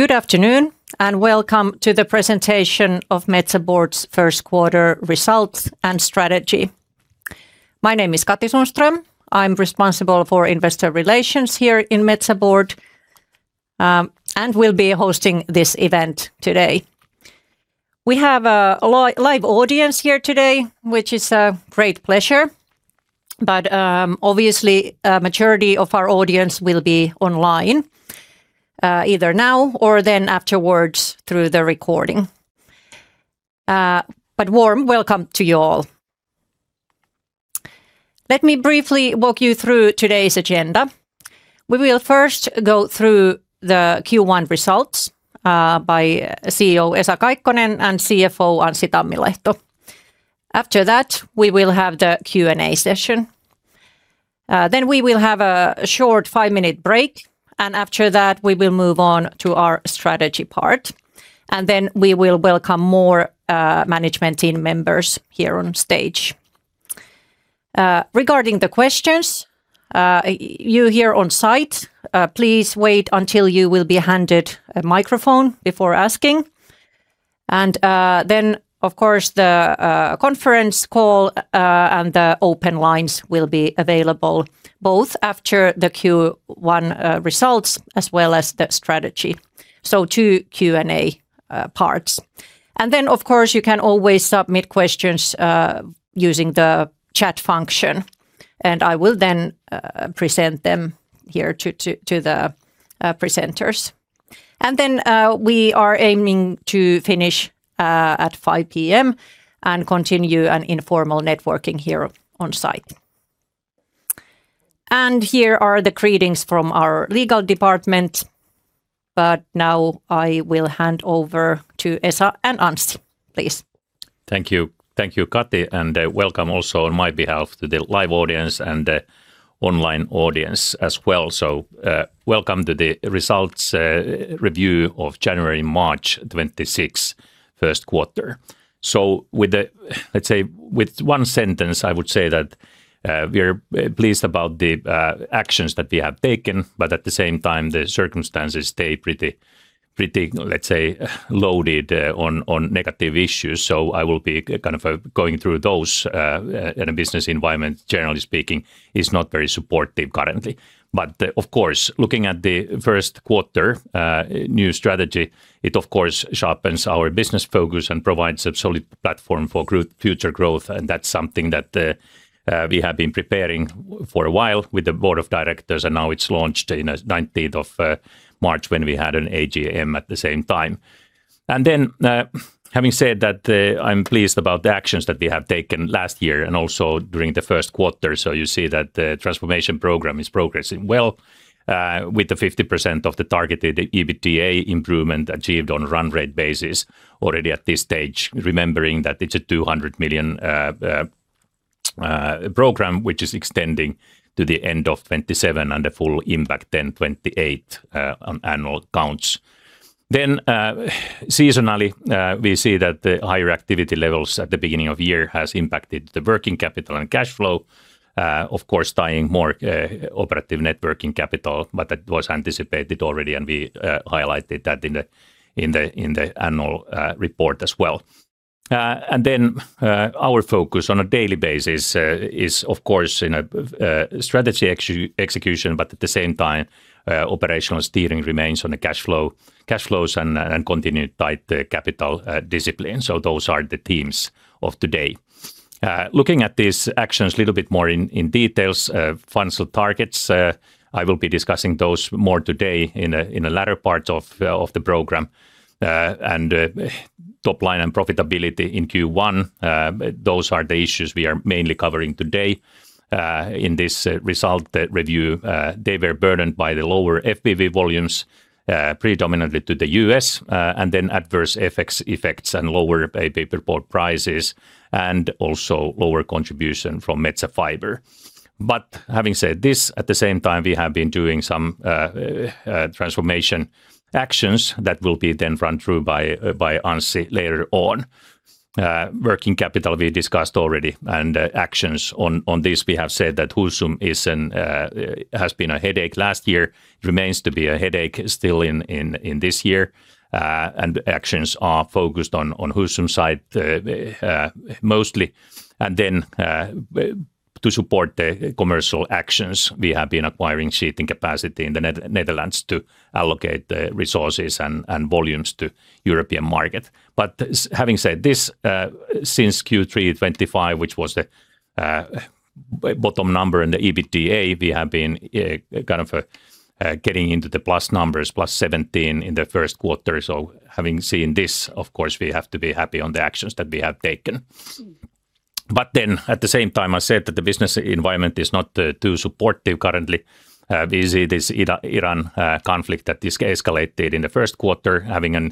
Good afternoon, welcome to the presentation of Metsä Board's first quarter results and strategy. My name is Katri Sundström. I'm responsible for investor relations here in Metsä Board, and will be hosting this event today. We have a live audience here today, which is a great pleasure, but obviously, a majority of our audience will be online, either now or then afterwards through the recording. Warm welcome to you all. Let me briefly walk you through today's agenda. We will first go through the Q1 results by CEO Esa Kaikkonen and CFO Anssi Tammilehto. After that, we will have the Q&A session. We will have a short five-minute break, and after that, we will move on to our strategy part, and then we will welcome more management team members here on stage. Regarding the questions, you here on site, please wait until you will be handed a microphone before asking. Then, of course, the conference call and the open lines will be available both after the Q1 results as well as the strategy. Two Q&A parts. Of course, you can always submit questions using the chat function, and I will then present them here to the presenters. We are aiming to finish at 5:00 P.M. and continue an informal networking here on site. Here are the greetings from our legal department, now I will hand over to Esa and Anssi, please. Thank you. Thank you, Katri, and welcome also on my behalf to the live audience and the online audience as well. Welcome to the results review of January-March 2026 Q1. Let's say with one sentence, I would say that we're pleased about the actions that we have taken, but at the same time, the circumstances stay pretty, let's say, loaded on negative issues. I will be kind of going through those. The business environment, generally speaking, is not very supportive currently. Of course, looking at the Q1, new strategy, it, of course, sharpens our business focus and provides a solid platform for growth, future growth, and that's something that we have been preparing for a while with the board of directors, and now it's launched in 19th of March when we had an AGM at the same time. Having said that, I'm pleased about the actions that we have taken last year and also during the first quarter. You see that the transformation program is progressing well, with the 50% of the targeted EBITDA improvement achieved on a run rate basis already at this stage, remembering that it's a 200 million program which is extending to the end of 2027 and the full impact then 2028 on annual counts. Seasonally, we see that the higher activity levels at the beginning of year has impacted the working capital and cash flow, of course, tying more operative net working capital, but that was anticipated already, and we highlighted that in the annual report as well. Our focus on a daily basis is of course in a strategy execution, but at the same time, operational steering remains on the cashflows and continued tight capital discipline. Those are the themes of today. Looking at these actions a little bit more in details, funds flow targets, I will be discussing those more today in a latter part of the program. Top line and profitability in Q1, those are the issues we are mainly covering today, in this result, review. They were burdened by the lower FBB volumes, predominantly to the U.S., and then adverse FX effects and lower paper board prices, and also lower contribution from Metsä Fibre. Having said this, at the same time, we have been doing some transformation actions that will be then run through by Anssi later on. Working capital we discussed already, and actions on this, we have said that Husum has been a headache last year. It remains to be a headache still in this year. Actions are focused on Husum side, mostly. To support the commercial actions, we have been acquiring sheeting capacity in the Netherlands to allocate the resources and volumes to European market. Having said this, since Q3 2025, which was the bottom number in the EBITDA, we have been getting into the plus numbers, plus 17 in the Q1. Having seen this, of course, we have to be happy on the actions that we have taken. At the same time, I said that the business environment is not too supportive currently. We see this Iran conflict that escalated in the first quarter, having a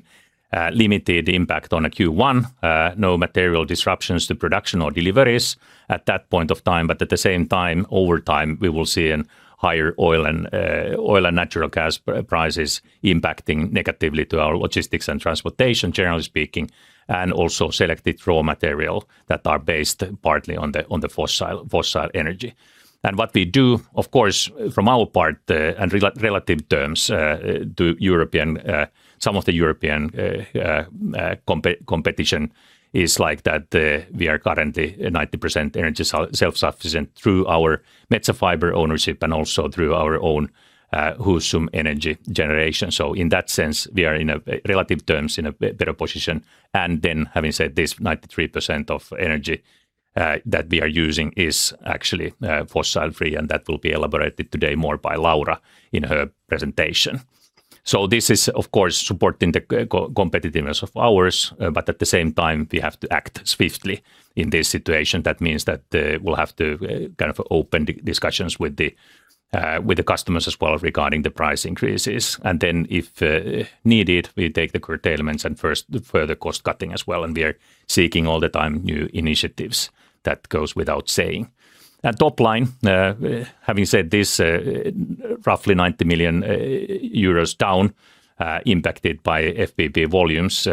limited impact on Q1. No material disruptions to production or deliveries at that point of time. At the same time, over time, we will see in higher oil and natural gas prices impacting negatively to our logistics and transportation, generally speaking, and also selected raw material that are based partly on the fossil energy. What we do, of course, from our part, in relative terms, to European, some of the European competition is like that, we are currently 90% energy self-sufficient through our Metsä Fibre ownership and also through our own Husum energy generation. In that sense, we are in a relative terms in a better position. Having said this, 93% of energy that we are using is actually fossil free, and that will be elaborated today more by Laura in her presentation. This is, of course, supporting the competitiveness of ours, but at the same time we have to act swiftly in this situation. That means that we'll have to kind of open discussions with the customers as well regarding the price increases. If needed, we take the curtailments and first, further cost cutting as well, and we are seeking all the time new initiatives. That goes without saying. At top line, having said this, roughly 90 million euros down, impacted by FBB volumes.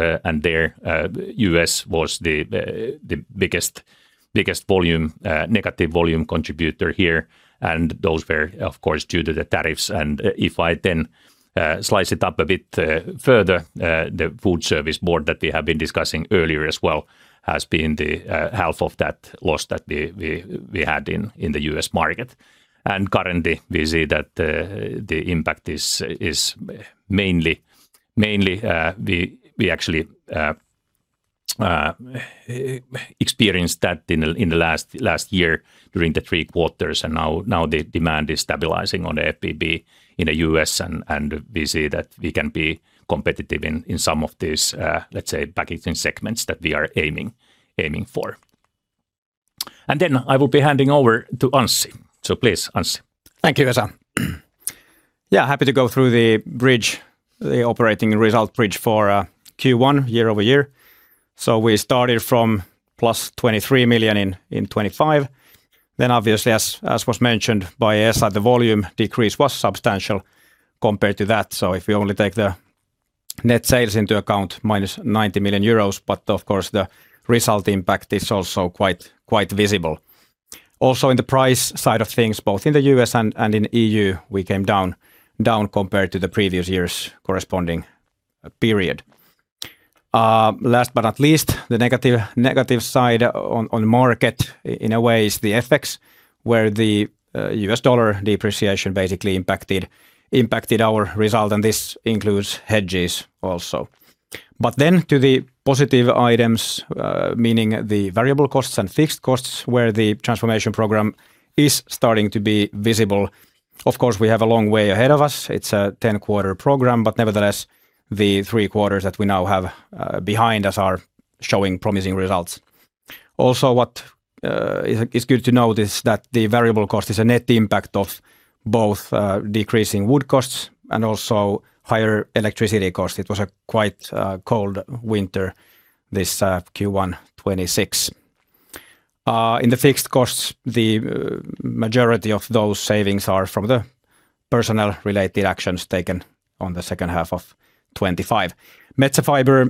Their U.S. was the biggest volume, negative volume contributor here. Those were, of course, due to the tariffs. If I then slice it up a bit further, the food service board that we have been discussing earlier as well has been the half of that loss that we had in the U.S. market. Currently we see that the impact is mainly we actually experienced that in the last year during the three quarters. Now the demand is stabilizing on the FBB in the U.S., and we see that we can be competitive in some of these, let's say, packaging segments that we are aiming for. Then I will be handing over to Anssi. So please, Anssi. Thank you, Esa. Happy to go through the bridge, the operating result bridge for Q1 year-over-year. We started from plus 23 million in 2025. Obviously as was mentioned by Esa, the volume decrease was substantial compared to that. If you only take the net sales into account, minus 90 million euros, but of course the result impact is also quite visible. Also, in the price side of things, both in the U.S. and in E.U., we came down compared to the previous year's corresponding period. Last but not least, the negative side on market in a way is the FX, where the U.S. dollar depreciation basically impacted our result, and this includes hedges also. To the positive items, meaning the variable costs and fixed costs, where the transformation program is starting to be visible. Of course, we have a long way ahead of us. It's a 10-quarter program, but nevertheless, the three quarters that we now have behind us are showing promising results. Also what is good to note is that the variable cost is a net impact of both decreasing wood costs and also higher electricity costs. It was a quite cold winter this Q1 2026. In the fixed costs, the majority of those savings are from the personnel related actions taken on the second half of 2025. Metsä Fibre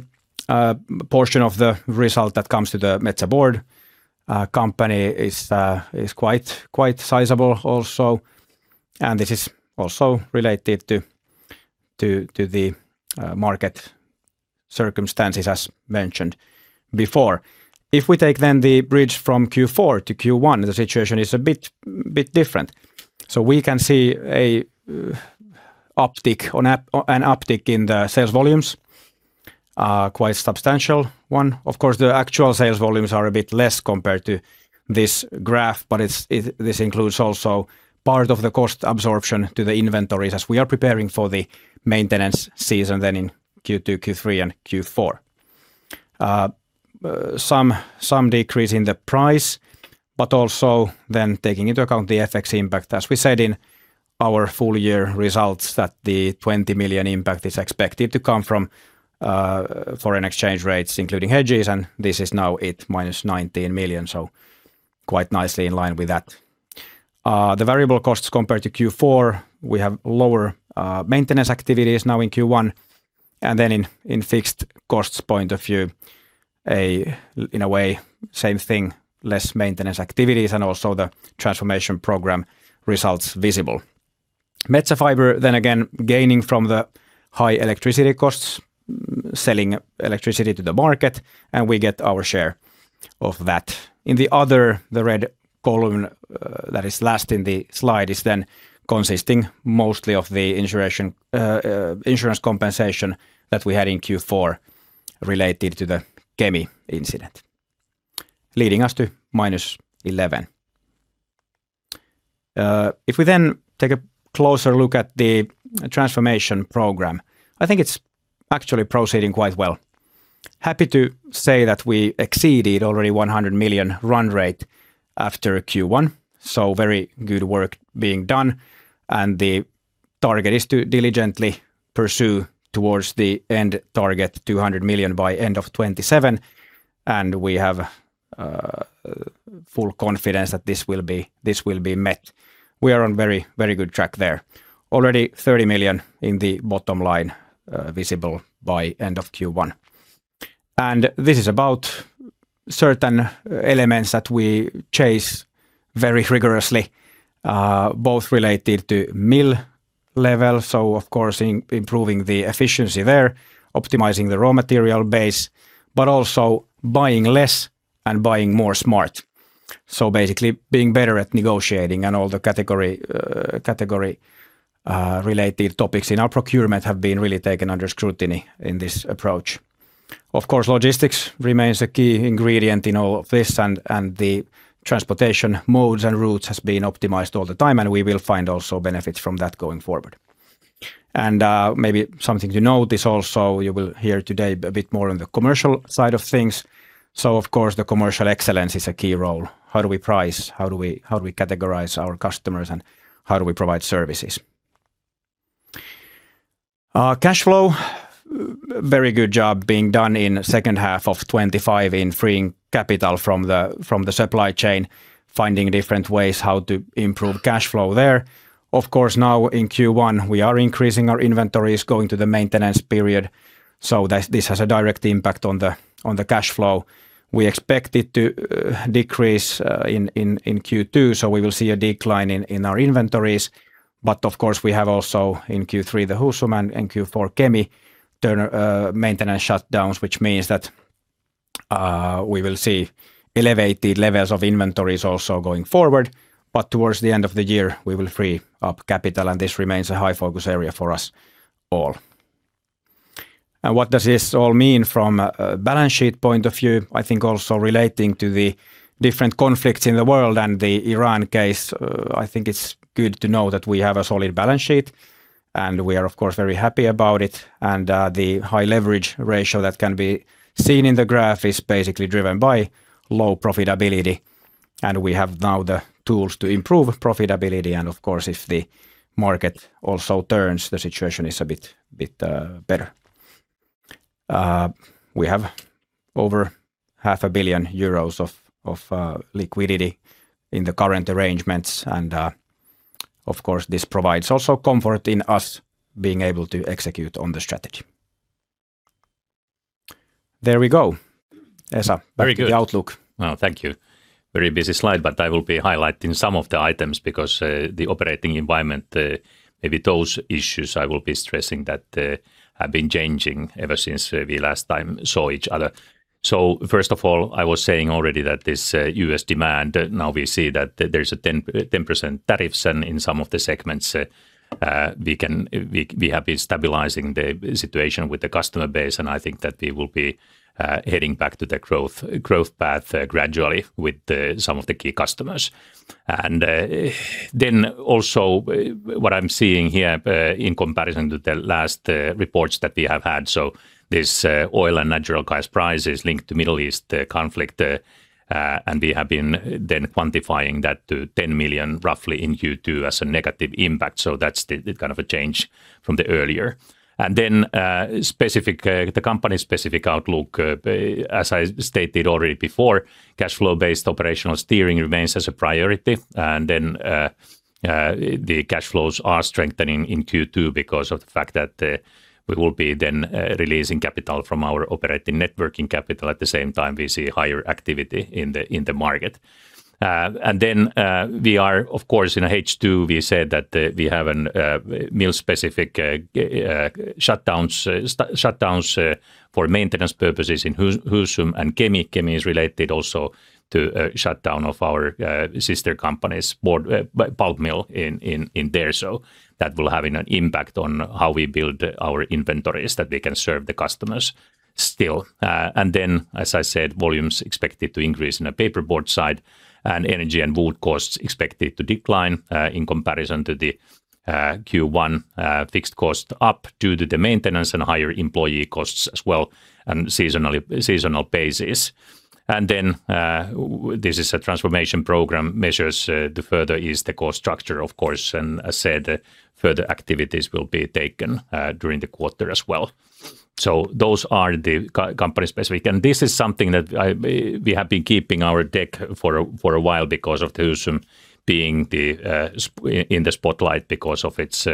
portion of the result that comes to the Metsä Board company is quite sizable also. This is also related to the market circumstances as mentioned before. If we take then the bridge from Q4 to Q1, the situation is a bit different. We can see an uptick in the sales volumes, quite substantial one. Of course, the actual sales volumes are a bit less compared to this graph, but this includes also part of the cost absorption to the inventories as we are preparing for the maintenance season then in Q2, Q3, and Q4. Some decrease in the price, but also then taking into account the FX impact. As we said in our full year results that the 20 million impact is expected to come from foreign exchange rates, including hedges, and this is now at minus 19 million. Quite nicely in line with that. The variable costs compared to Q4, we have lower maintenance activities now in Q1. In fixed costs point of view, same thing, less maintenance activities and also the Transformation program results visible. Metsä Fibre gaining from the high electricity costs, selling electricity to the market, and we get our share of that. In the other, the red column, that is last in the slide, consisting mostly of the insurance compensation that we had in Q4 related to the Kemi incident, leading us to -11. If we take a closer look at the Transformation program, I think it's actually proceeding quite well. Happy to say that we exceeded already 100 million run rate after Q1, very good work being done. The target is to diligently pursue towards the end target, 200 million by end of 2027, and we have full confidence that this will be met. We are on very good track there. Already 30 million in the bottom line visible by end of Q1. This is about certain elements that we chase very rigorously, both related to mill level, so of course improving the efficiency there, optimizing the raw material base, but also buying less and buying more smart. Basically being better at negotiating and all the category related topics in our procurement have been really taken under scrutiny in this approach. Of course, logistics remains a key ingredient in all of this and the transportation modes and routes has been optimized all the time, and we will find also benefits from that going forward. Maybe something to note is also you will hear today a bit more on the commercial side of things. Of course, the commercial excellence is a key role. How do we price? How do we categorize our customers? How do we provide services? Cash flow, very good job being done in second half of 2025 in freeing capital from the supply chain, finding different ways how to improve cash flow there. Of course, now in Q1, we are increasing our inventories, going to the maintenance period, this has a direct impact on the cash flow. We expect it to decrease in Q2, we will see a decline in our inventories. Of course, we have also in Q3 the Husum and Q4 Kemi turn. maintenance shutdowns, which means that, we will see elevated levels of inventories also going forward. Towards the end of the year, we will free up capital, and this remins a high focus area for us all. What does this all mean from a balance sheet point of view? I think also relating to the different conflicts in the world and the Iran case, I think it's good to know that we have a solid balance sheet, and we are, of course, very happy about it. The high leverage ratio that can be seen in the graph is basically driven by low profitability. We have now the tools to improve profitability, and of course, if the market also turns, the situation is a bit better. We have over half a billion EUR of liquidity in the current arrangements. Of course, this provides also comfort in us being able to execute on the strategy. There we go. Esa, back to the outlook. Very good. Well, thank you. Very busy slide, but I will be highlighting some of the items because the operating environment, maybe those issues I will be stressing that have been changing ever since we last time saw each other. First of all, I was saying already that this U.S. demand, now we see that there's a 10% tariffs in some of the segments. We have been stabilizing the situation with the customer base, and I think that we will be heading back to the growth path gradually with some of the key customers. Also, what I'm seeing here, in comparison to the last reports that we have had, so this oil and natural gas prices linked to Middle East conflict, and we have been then quantifying that to 10 million roughly in Q2 as a negative impact, so that's the kind of a change from the earlier. Specific, the company specific outlook, as I stated already before, cash flow-based operational steering remains as a priority. The cash flows are strengthening in Q2 because of the fact that we will be then releasing capital from our operating net working capital. At the same time, we see higher activity in the market. We are, of course, in second half, we said that we have an mill-specific shutdowns for maintenance purposes in Husum. Kemi is related also to a shutdown of our sister company's pulp mill in there. That will having an impact on how we build our inventories, that we can serve the customers still. As I said, volumes expected to increase in the paperboard side, and energy and wood costs expected to decline in comparison to the Q1. Fixed cost up due to the maintenance and higher employee costs as well and seasonal basis. This is a transformation program measures to further ease the cost structure, of course. As said, further activities will be taken during the quarter as well. Those are the company specific. This is something that we have been keeping our deck for a while because of Husum being in the spotlight because of its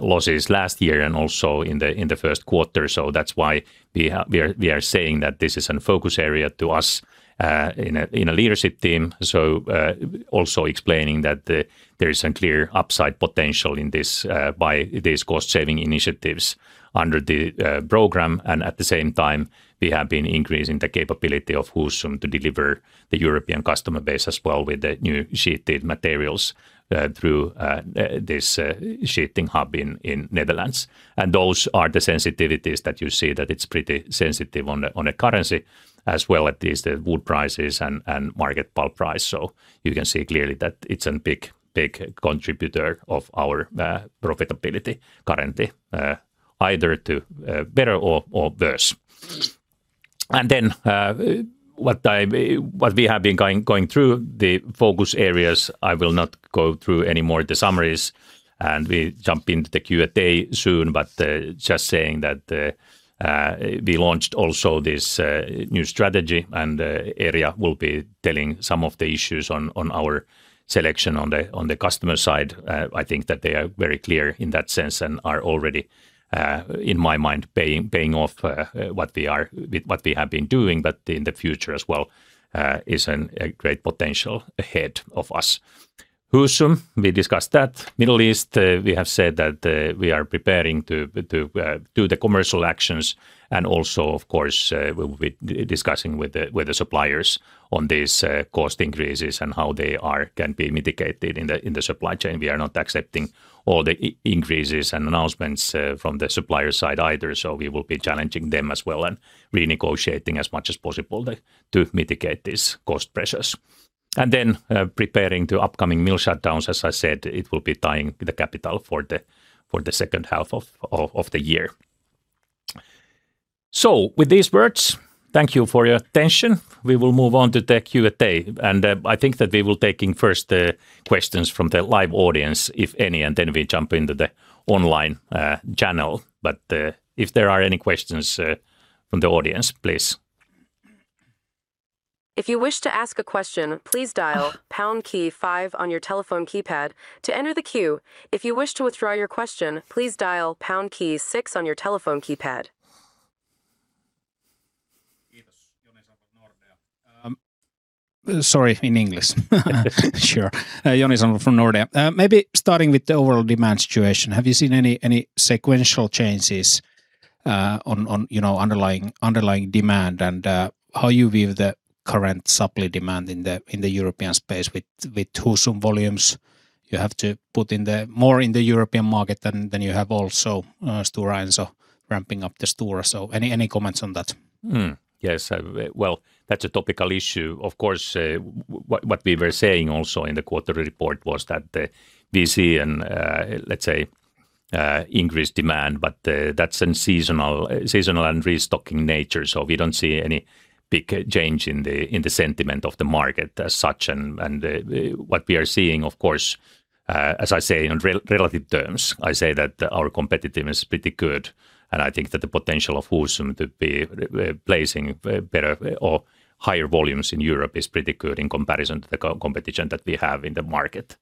losses last year and also in the first quarter. That's why we are saying that this is a focus area to us in a leadership team. Also explaining that there is a clear upside potential in this by these cost-saving initiatives under the program. At the same time, we have been increasing the capability of Husum to deliver the European customer base as well with the new sheeted materials, through this sheeting hub in Netherlands. Those are the sensitivities that you see that it's pretty sensitive on a currency as well at these, the wood prices and market pulp price. You can see clearly that it's a big contributor of our profitability currently, either to better or worse. Then, what we have been going through the focus areas, I will not go through any more the summaries, and we jump into the Q&A soon. Just saying that we launched also this new strategy, and Erja will be telling some of the issues on our selection on the customer side. I think that they are very clear in that sense and are already in my mind, paying off with what we have been doing, but in the future as well, is a great potential ahead of us. Husum, we discussed that. Middle East, we have said that we are preparing to do the commercial actions. Also, of course, we discussing with the suppliers on these cost increases and how they are can be mitigated in the supply chain. We are not accepting all the increases and announcements from the supplier side either. We will be challenging them as well and renegotiating as much as possible to mitigate these cost pressures. Preparing the upcoming mill shutdowns. As I said, it will be tying the capital for the second half of the year. With these words, thank you for your attention. We will move on to the Q&A, and I think that we will taking first the questions from the live audience, if any, and then we jump into the online channel. If there are any questions from the audience, please. If you wish to ask a question, please dial pound key five on your telephone keypad to enter the queue. If you wish to withdraw your question, please dial pound key six on your telephone keypad. Joni Sandvall, Nordea. Sorry, in English. Sure. Joni Sandvall from Nordea. Maybe starting with the overall demand situation, have you seen any sequential changes on, you know, underlying demand? How you view the current supply demand in the European space with Husum volumes you have to put in the more in the European market than you have also Stora Enso ramping up the Stora. Any comments on that? Yes, well, that's a topical issue. What we were saying also in the quarterly report was that the volume and, let's say, increased demand, that's in seasonal and restocking nature. We don't see any big change in the sentiment of the market as such. What we are seeing, of course, as I say in relative terms, I say that our competitiveness is pretty good, and I think that the potential of Husum to be replacing better or higher volumes in Europe is pretty good in comparison to the competition that we have in the market.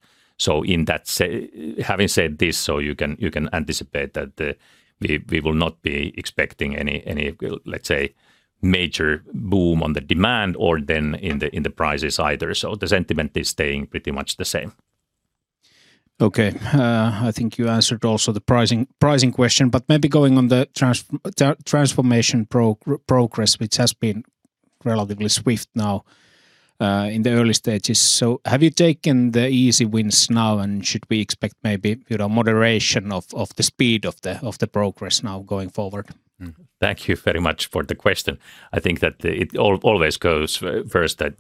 Having said this, you can anticipate that we will not be expecting any of, let's say, major boom on the demand or then in the prices either. The sentiment is staying pretty much the same. Okay. I think you answered also the pricing question, but maybe going on the transformation progress, which has been relatively swift now in the early stages. Have you taken the easy wins now? Should we expect maybe, you know, moderation of the speed of the progress now going forward? Thank you very much for the question. I think that always goes first that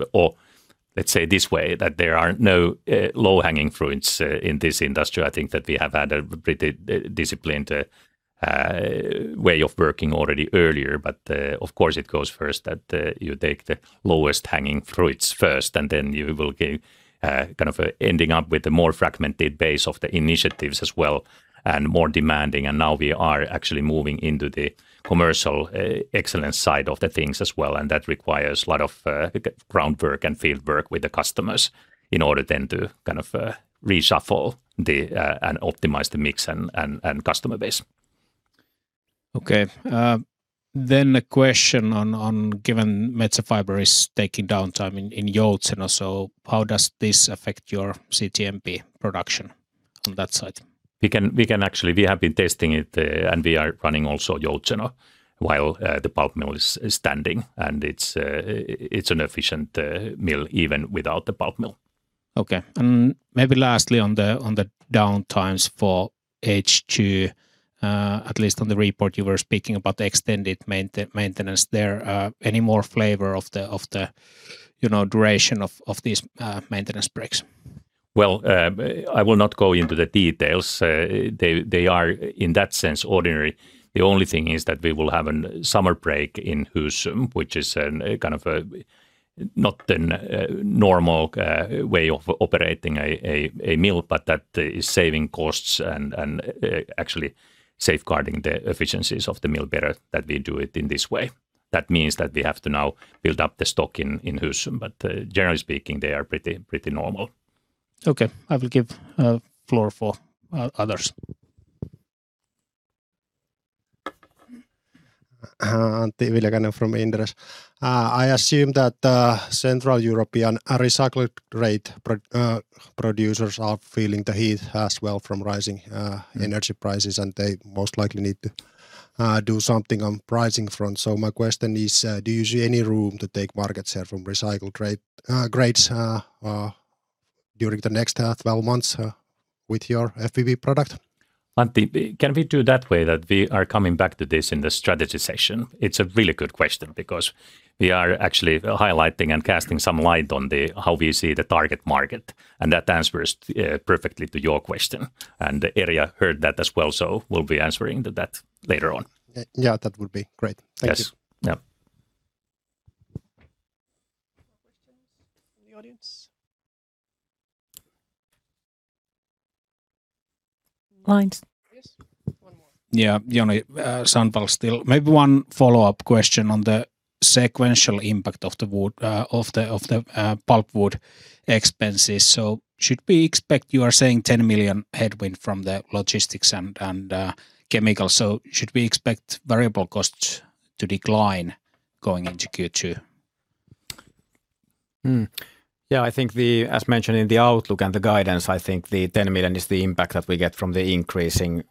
or let's say it this way, that there are no low-hanging fruits in this industry. I think that we have had a pretty disciplined way of working already earlier. Of course, it goes first that you take the lowest hanging fruits first, and then you will be kind of ending up with a more fragmented base of the initiatives as well, and more demanding. Now we are actually moving into the commercial excellence side of the things as well, and that requires a lot of ground work and field work with the customers in order then to kind of reshuffle the and optimize the mix and customer base. Okay. A question on given Metsä Fibre is taking downtime in Jämsä, so how does this affect your CTMP production on that site? We can actually. We have been testing it. We are running also Jämsä while the pulp mill is standing, and it's an efficient mill even without the pulp mill. Okay. Maybe lastly on the downtimes for second half, at least on the report you were speaking about the extended maintenance there. Any more flavor of the, you know, duration of these maintenance breaks? Well, I will not go into the details. They are in that sense ordinary. The only thing is that we will have a summer break in Husum, which is kind of a not the normal way of operating a mill, but that is saving costs and actually safeguarding the efficiencies of the mill better that we do it in this way. That means that we have to now build up the stock in Husum. Generally speaking, they are pretty normal. Okay. I will give floor for others. Antti Viljakainen from Inderes. I assume that Central European recycled grades producers are feeling the heat as well from rising energy prices, and they most likely need to do something on pricing front. My question is, do you see any room to take market share from recycled grades during the next 12 months with your FBB product? Antti, can we do that way that we are coming back to this in the strategy session? It's a really good question because we are actually highlighting and casting some light on the how we see the target market, and that answers perfectly to your question. Erja heard that as well. We'll be answering to that later on. Yeah, that would be great. Thank you. Yes. Yeah. More questions from the audience? Lines. Yes. One more. Yeah. Joni Sandvall still. Maybe one follow-up question on the sequential impact of the wood pulpwood expenses. You are saying 10 million headwind from the logistics and chemicals. Should we expect variable costs to decline going into Q2? Yeah, I think the, as mentioned in the outlook and the guidance, I think the 10 million is the impact that we get from the increasing,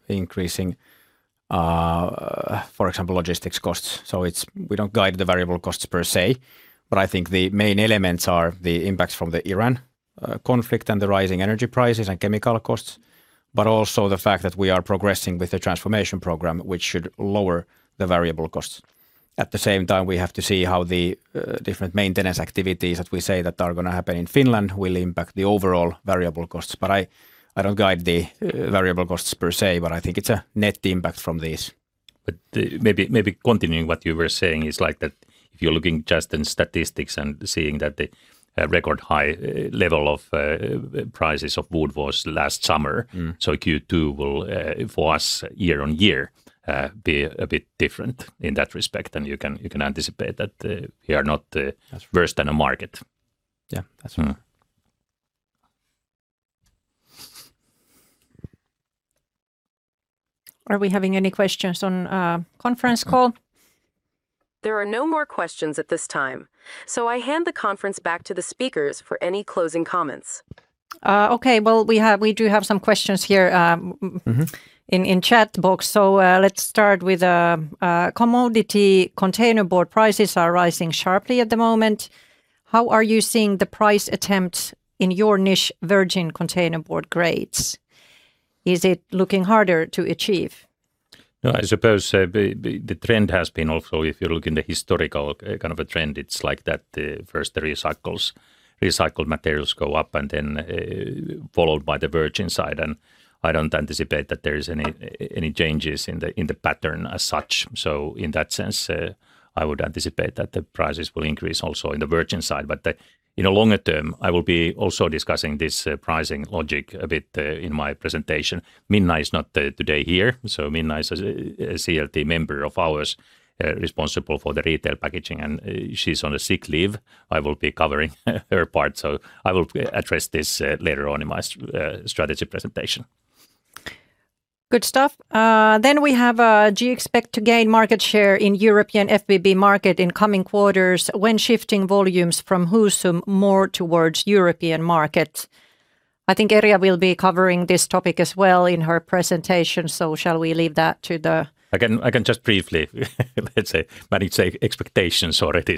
for example, logistics costs. We don't guide the variable costs per se, but I think the main elements are the impacts from the Iran conflict and the rising energy prices and chemical costs, but also the fact that we are progressing with the transformation program, which should lower the variable costs. At the same time, we have to see how the different maintenance activities that we say that are gonna happen in Finland will impact the overall variable costs. I don't guide the variable costs per se, but I think it's a net impact from this. Maybe continuing what you were saying is, like, that if you're looking just in statistics and seeing that the record high level of prices of wood was last summer. Mm. Q2 will for us year-on-year be a bit different in that respect, and you can anticipate that. That's true.... worse than the market. Yeah, that's right. Mm. Are we having any questions on conference call? There are no more questions at this time, so I hand the conference back to the speakers for any closing comments. Okay, well, we do have some questions here. Mm-hmm In chat box. Let's start with "Commodity container board prices are rising sharply at the moment. How are you seeing the price attempts in your niche virgin container board grades? Is it looking harder to achieve?" I suppose the trend has been also if you look in the historical kind of a trend, it's like that. The first three cycles, recycled materials go up and then followed by the virgin side. I don't anticipate that there is any changes in the pattern as such. In that sense, I would anticipate that the prices will increase also in the virgin side. In the longer term, I will be also discussing this pricing logic a bit in my presentation. Minna Björkman is not today here, so Minna Björkman is a CLC member of ours responsible for the retail packaging, and she's on a sick leave. I will be covering her part. I will address this later on in my strategy presentation. Good stuff. We have, "Do you expect to gain market share in European FBB market in coming quarters when shifting volumes from Husum more towards European market?" I think Erja will be covering this topic as well in her presentation, shall we leave that. I can just briefly let's say, manage the expectations already.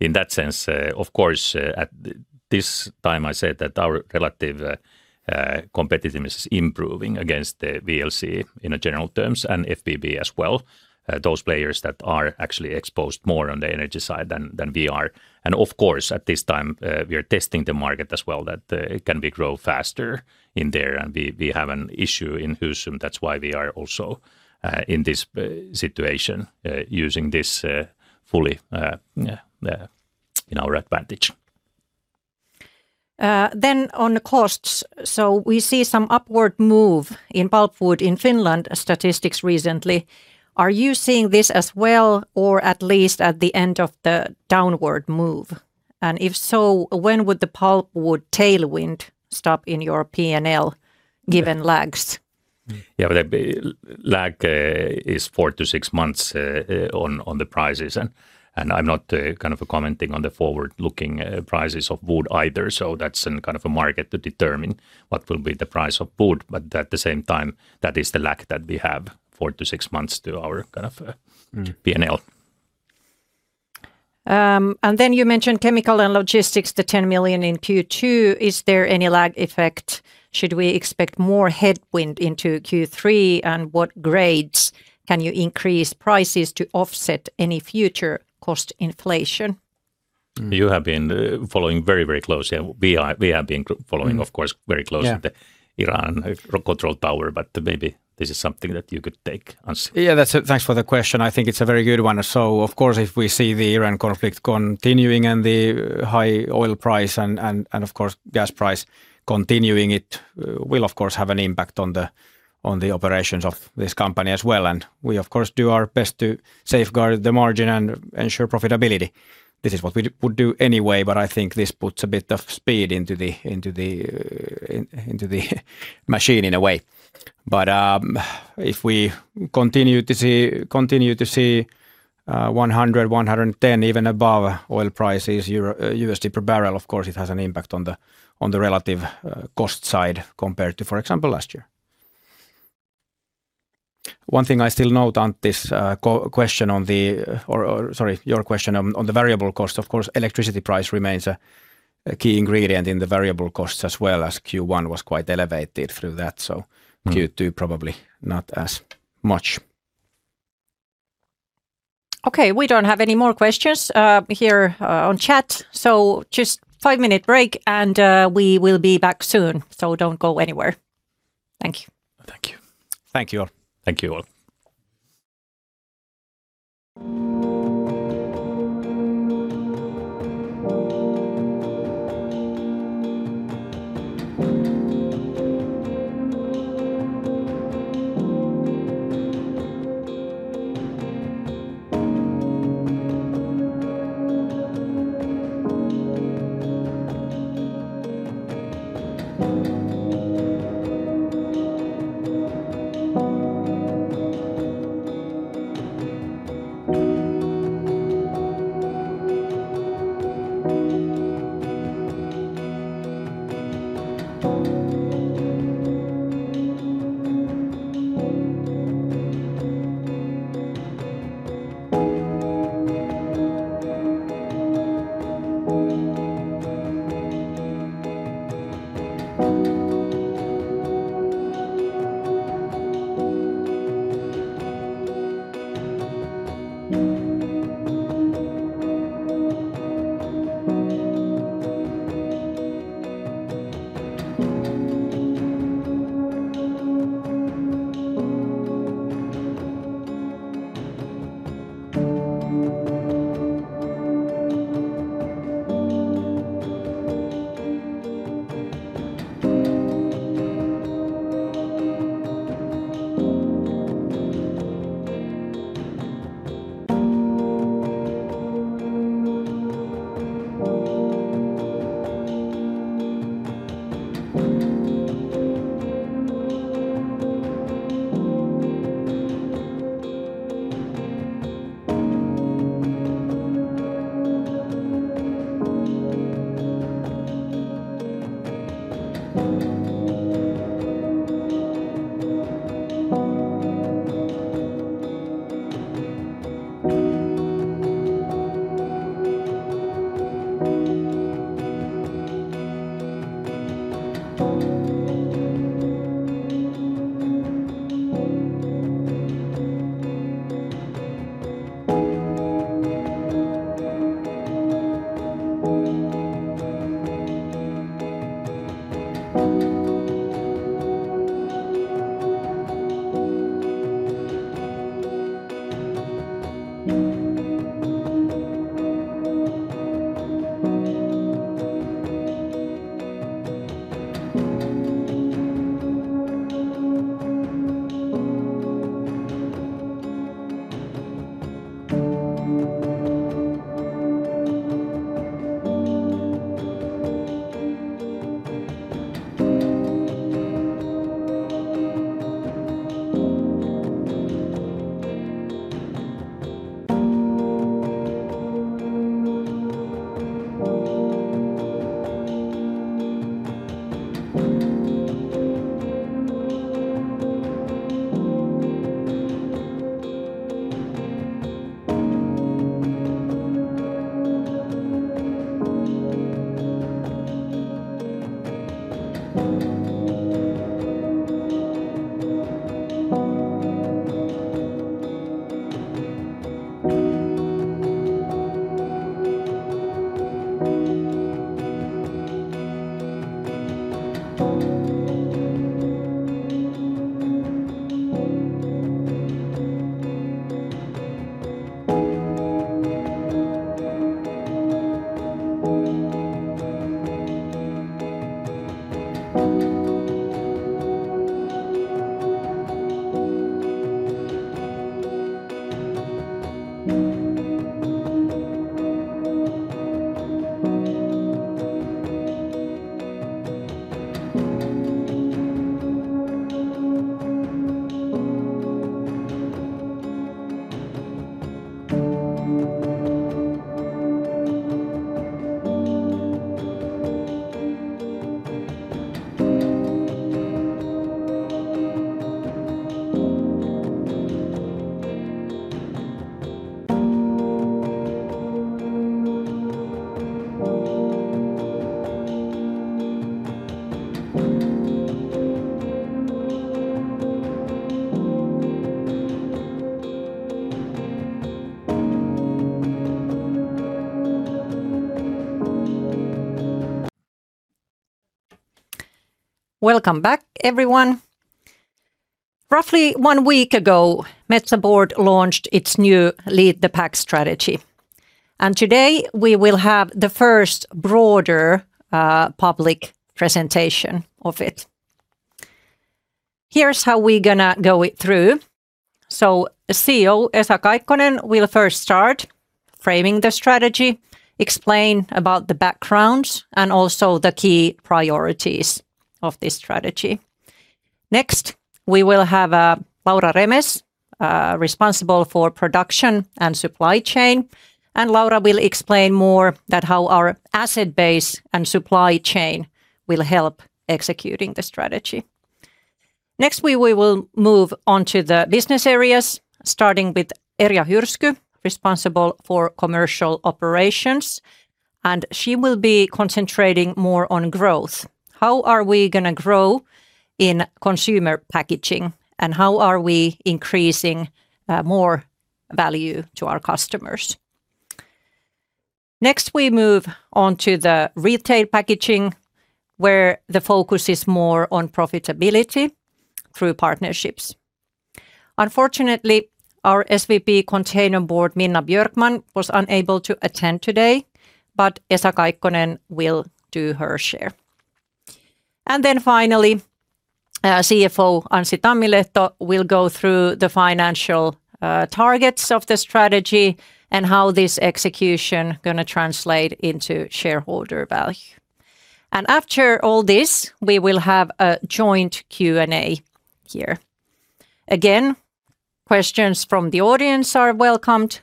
In that sense, of course, this time I said that our relative competitiveness is improving against the WLC in general terms, and FBB as well, those players that are actually exposed more on the energy side than we are. Of course, at this time, we are testing the market as well that, can we grow faster in there? We have an issue in Husum. That's why we are also in this situation, using this fully in our advantage. On the costs, we see some upward move in pulpwood in Finland statistics recently. Are you seeing this as well, or at least at the end of the downward move? If so, when would the pulpwood tailwind stop in your P&L given lags? Yeah, that lag is four to six months on the prices. I'm not kind of commenting on the forward-looking prices of wood either. That's in kind of a market to determine what will be the price of wood. At the same time, that is the lag that we have, four to six months. Mm... P&L. You mentioned chemical and logistics, the 10 million in Q2. Is there any lag effect? Should we expect more headwind into Q3? What grades can you increase prices to offset any future cost inflation? You have been following very closely. We have been following. Mm of course, very closely. Yeah The Iran control tower, but maybe this is something that you could take, Anssi. Yeah, that's it. Thanks for the question. I think it's a very good one. Of course, if we see the Iran conflict continuing and the high oil price and gas price continuing, it will of course have an impact on the operations of this company as well. We of course do our best to safeguard the margin and ensure profitability. This is what we would do anyway, but I think this puts a bit of speed into the machine in a way. If we continue to see 100, 110 even above oil prices EUR, USD per barrel, of course it has an impact on the relative cost side compared to, for example, last year. One thing I still note, Antti's question on the. Sorry, your question on the variable cost, of course, electricity price remains a key ingredient in the variable costs as well as Q1 was quite elevated through that. Mm Q2 probably not as much. Okay, we don't have any more questions, here, on chat, so just five-minute break, and we will be back soon. Don't go anywhere. Thank you. Thank you. Thank you all. Thank you all. Break Welcome back, everyone. Roughly one week ago, Metsä Board launched its new Lead the Pack strategy, and today we will have the first broader public presentation of it. Here's how we're gonna go it through. CEO Esa Kaikkonen will first start framing the strategy, explain about the backgrounds and also the key priorities of this strategy. Next, we will have Laura Remes, responsible for production and supply chain, and Laura will explain more that how our asset base and supply chain will help executing the strategy. Next we will move on to the business areas, starting with Erja Hyrsky, responsible for commercial operations, and she will be concentrating more on growth. How are we gonna grow in consumer packaging, and how are we increasing more value to our customers? We move on to the retail packaging, where the focus is more on profitability through partnerships. Unfortunately, our SVP Containerboard, Minna Björkman, was unable to attend today. Esa Kaikkonen will do her share. Finally, CFO Anssi Tammilehto will go through the financial targets of the strategy and how this execution gonna translate into shareholder value. After all this, we will have a joint Q&A here. Again, questions from the audience are welcomed.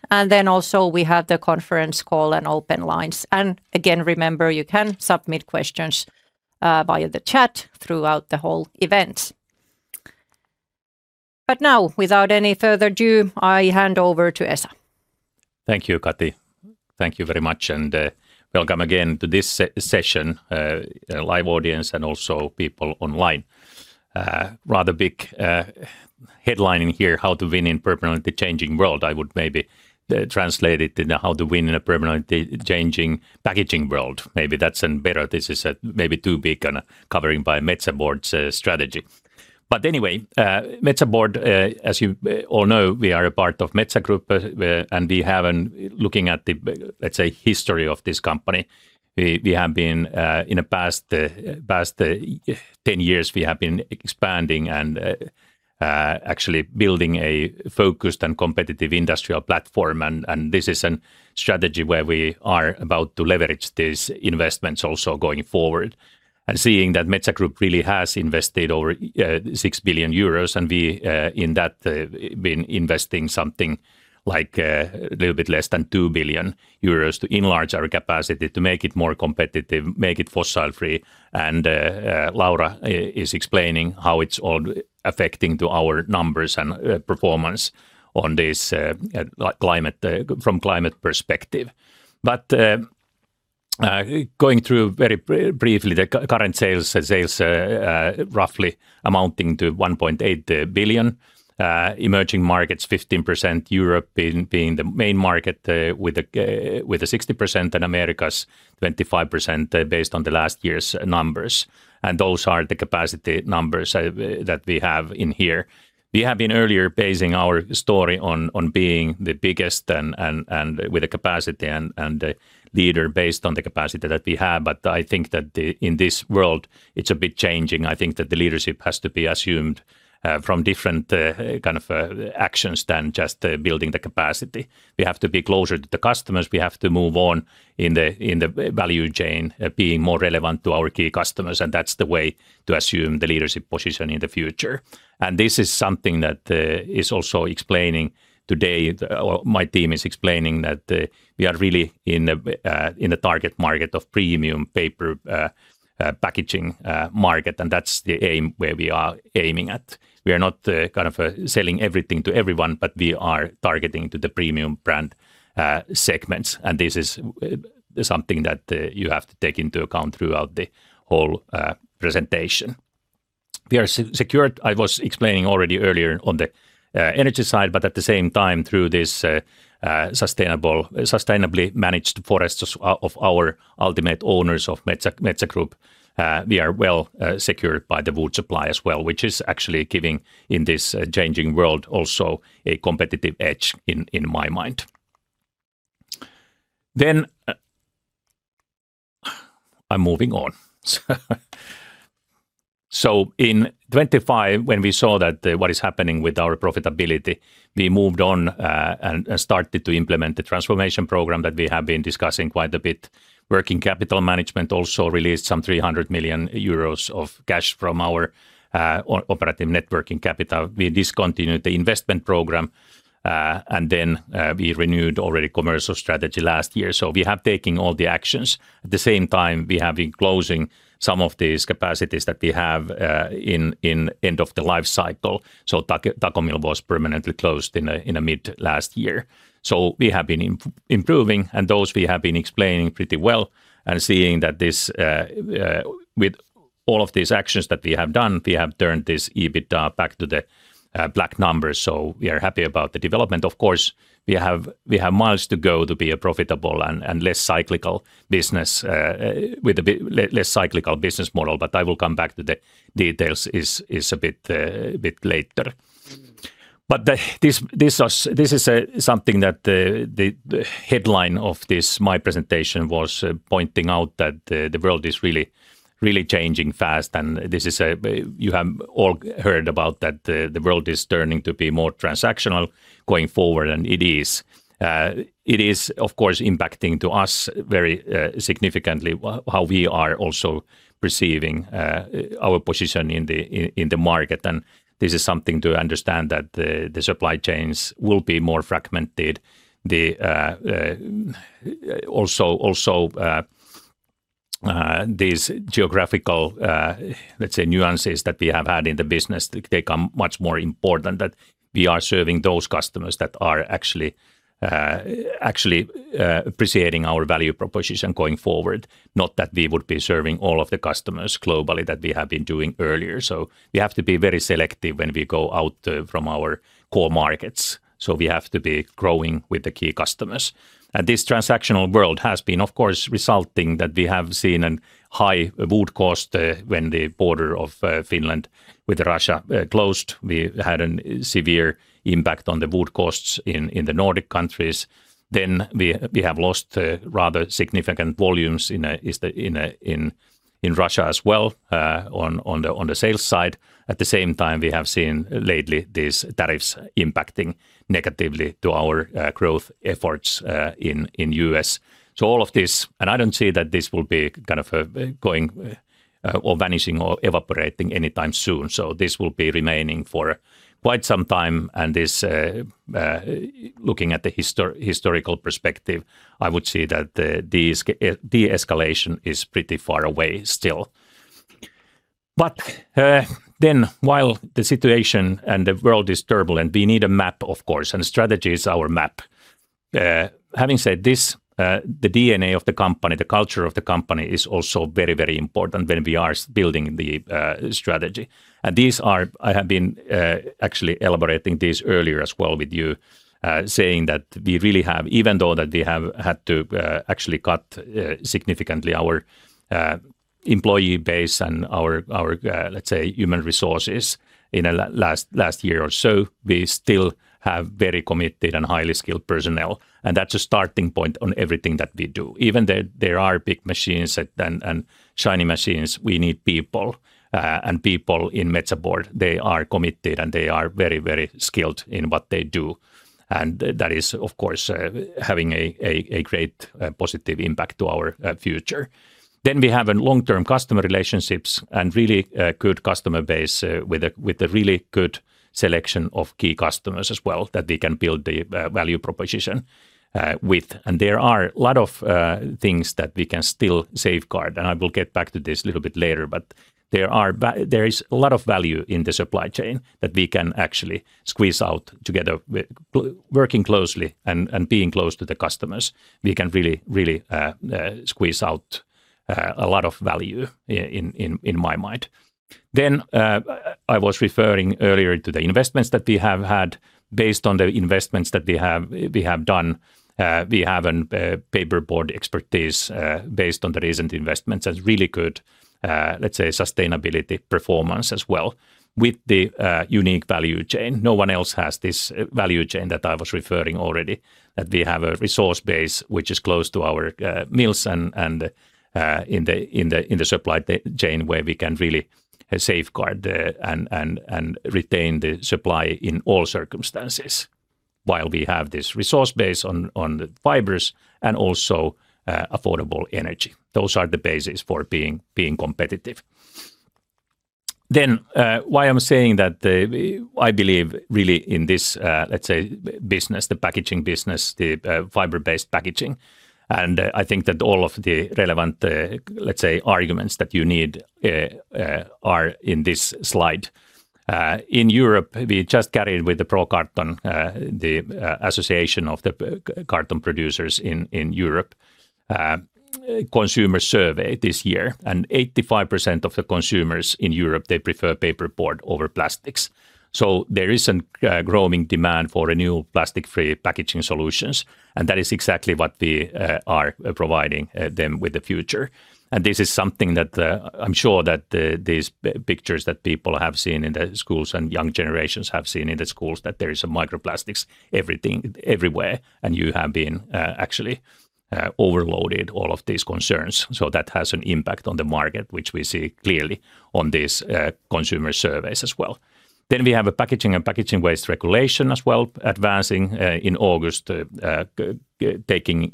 Also we have the conference call and open lines. Again, remember, you can submit questions via the chat throughout the whole event. Now, without any further ado, I hand over to Esa. Thank you, Katri. Thank you very much, and welcome again to this session, live audience and also people online. Rather big headlining here, how to win in permanently changing world. I would maybe translate it to now how to win in a permanently changing packaging world. Maybe that's better. This is maybe too big covering by Metsä Board's strategy. Anyway, Metsä Board, as you all know, we are a part of Metsä Group. We have been looking at the, let's say, history of this company. We have been in the past 10 years, we have been expanding and actually building a focused and competitive industrial platform. This is an strategy where we are about to leverage these investments also going forward, and seeing that Metsä Group really has invested over 6 billion euros, and we in that, been investing something like little bit less than 2 billion euros to enlarge our capacity to make it more competitive, make it fossil free. Laura is explaining how it's all affecting to our numbers and performance on this, like climate, from climate perspective. Going through very briefly, the current sales, roughly amounting to 1.8 billion. Emerging markets 15%, Europe being the main market, with the 60% and Americas 25%, based on the last year's numbers. Those are the capacity numbers that we have in here. We have been earlier basing our story on being the biggest and with the capacity and the leader based on the capacity that we have, but I think that in this world, it's a bit changing. I think that the leadership has to be assumed from different kind of actions than just building the capacity. We have to be closer to the customers. We have to move on in the value chain, being more relevant to our key customers, and that's the way to assume the leadership position in the future. This is something that is also explaining today, or my team is explaining, that we are really in the target market of premium paper packaging market, and that's the aim where we are aiming at. We are not, kind of, selling everything to everyone, but we are targeting to the premium brand segments. This is something that you have to take into account throughout the whole presentation. We are secured, I was explaining already earlier, on the energy side, but at the same time, through this sustainable, sustainably managed forests of our ultimate owners of Metsä Group. We are well secured by the wood supply as well, which is actually giving, in this changing world, also a competitive edge in my mind. I'm moving on. In 2025, when we saw that what is happening with our profitability, we moved on and started to implement the transformation program that we have been discussing quite a bit. Working capital management also released some 300 million euros of cash from our operative working capital. We discontinued the investment program, and then we renewed already commercial strategy last year. We have taking all the actions. At the same time, we have been closing some of these capacities that we have in end of the life cycle. Tako mill was permanently closed in the mid last year. We have been improving, and those we have been explaining pretty well and seeing that this, with all of these actions that we have done, we have turned this EBIT back to the black numbers. We are happy about the development. Of course, we have miles to go to be a profitable and less cyclical business with a bit less cyclical business model, but I will come back to the details is a bit later. This was, this is something that the headline of this, my presentation, was pointing out that the world is really changing fast. You have all heard about that the world is turning to be more transactional going forward, and it is. It is, of course, impacting to us very significantly how we are also perceiving our position in the market. This is something to understand that the supply chains will be more fragmented. The also, these geographical, let's say, nuances that we have had in the business, they come much more important that we are serving those customers that are actually appreciating our value proposition going forward, not that we would be serving all of the customers globally that we have been doing earlier. So we have to be very selective when we go out from our core markets, so we have to be growing with the key customers. This transactional world has been, of course, resulting that we have seen a high wood cost, when the border of Finland with Russia closed. We had a severe impact on the wood costs in the Nordic countries. We have lost rather significant volumes in Russia as well on the sales side. At the same time, we have seen lately these tariffs impacting negatively to our growth efforts in U.S. All of this I don't see that this will be going or vanishing or evaporating anytime soon. This will be remaining for quite some time. This looking at the historical perspective, I would say that these de-escalation is pretty far away still. While the situation and the world is turbulent, we need a map, of course, strategy is our map. Having said this, the DNA of the company, the culture of the company is also very, very important when we are building the strategy. These are. I have been actually elaborating this earlier as well with you, saying that we really have, even though that we have had to actually cut significantly our employee base and our, let's say, human resources in the last year or so, we still have very committed and highly skilled personnel, and that's a starting point on everything that we do. Even there are big machines and shiny machines, we need people. People in Metsä Board, they are committed, and they are very, very skilled in what they do. That is, of course, having a great positive impact to our future. We have an long-term customer relationships and really good customer base with a really good selection of key customers as well that we can build the value proposition with. There are a lot of things that we can still safeguard, and I will get back to this a little bit later. There is a lot of value in the supply chain that we can actually squeeze out together with working closely and being close to the customers. We can really squeeze out a lot of value in my mind. I was referring earlier to the investments that we have had. Based on the investments that we have, we have done, we have an paperboard expertise, based on the recent investments as really good, let's say, sustainability performance as well with the unique value chain. No one else has this value chain that I was referring already, that we have a resource base which is close to our mills and in the supply chain, where we can really safeguard the and retain the supply in all circumstances while we have this resource base on the fibers and also affordable energy. Those are the basis for being competitive. Then, why I'm saying that the I believe really in this, let's say, business, the packaging business, the fiber-based packaging, and I think that all of the relevant, let's say, arguments that you need, are in this slide. In Europe, we just carried with the Pro Carton, the association of the carton producers in Europe, consumer survey this year, and 85% of the consumers in Europe, they prefer paperboard over plastics. There is an growing demand for a new plastic-free packaging solutions, and that is exactly what we are providing them with the future. This is something that, I'm sure that, these pictures that people have seen in the schools and young generations have seen in the schools, that there is a microplastics everything, everywhere, and you have been, actually, overloaded all of these concerns. That has an impact on the market, which we see clearly on these consumer surveys as well. We have a Packaging and Packaging Waste Regulation as well advancing, in August, taking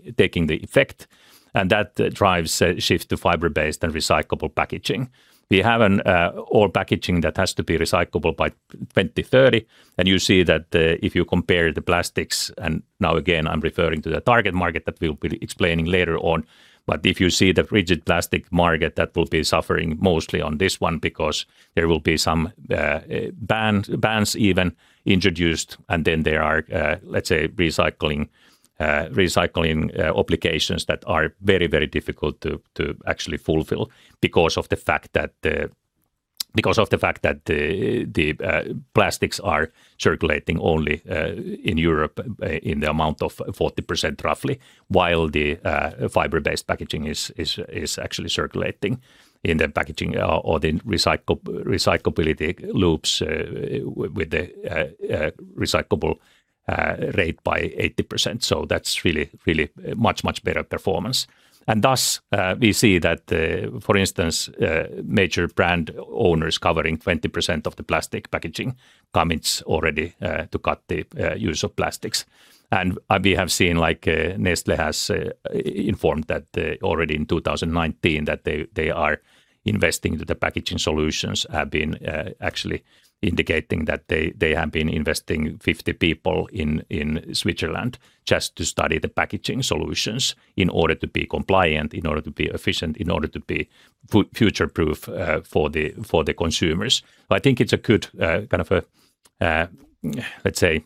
the effect, and that drives shift to fiber-based and recyclable packaging. We have an all packaging that has to be recyclable by 2030, and you see that the. If you compare the plastics, and now again, I'm referring to the target market that we will be explaining later on. If you see the rigid plastic market, that will be suffering mostly on this one because there will be some bans even introduced, and then there are, let's say, recycling obligations that are very difficult to actually fulfill because of the fact that the plastics are circulating only in Europe in the amount of 40% roughly, while the fiber-based packaging is actually circulating in the packaging or the recyclability loops with the recyclable rate by 80%. That's really much better performance. Thus, we see that the, for instance, major brand owners covering 20% of the plastic packaging commits already to cut the use of plastics. We have seen like, Nestlé has informed that already in 2019 that they are investing. The packaging solutions have been actually indicating that they have been investing 50 people in Switzerland just to study the packaging solutions in order to be compliant, in order to be efficient, in order to be future-proof for the consumers. I think it's a good, kind of a, let's say,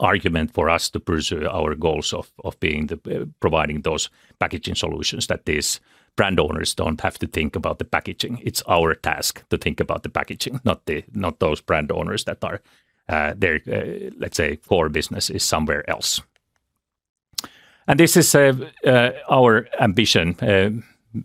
argument for us to pursue our goals of being the, providing those packaging solutions that these brand owners don't have to think about the packaging. It's our task to think about the packaging, not the, not those brand owners that are their, let's say, core business is somewhere else. This is our ambition.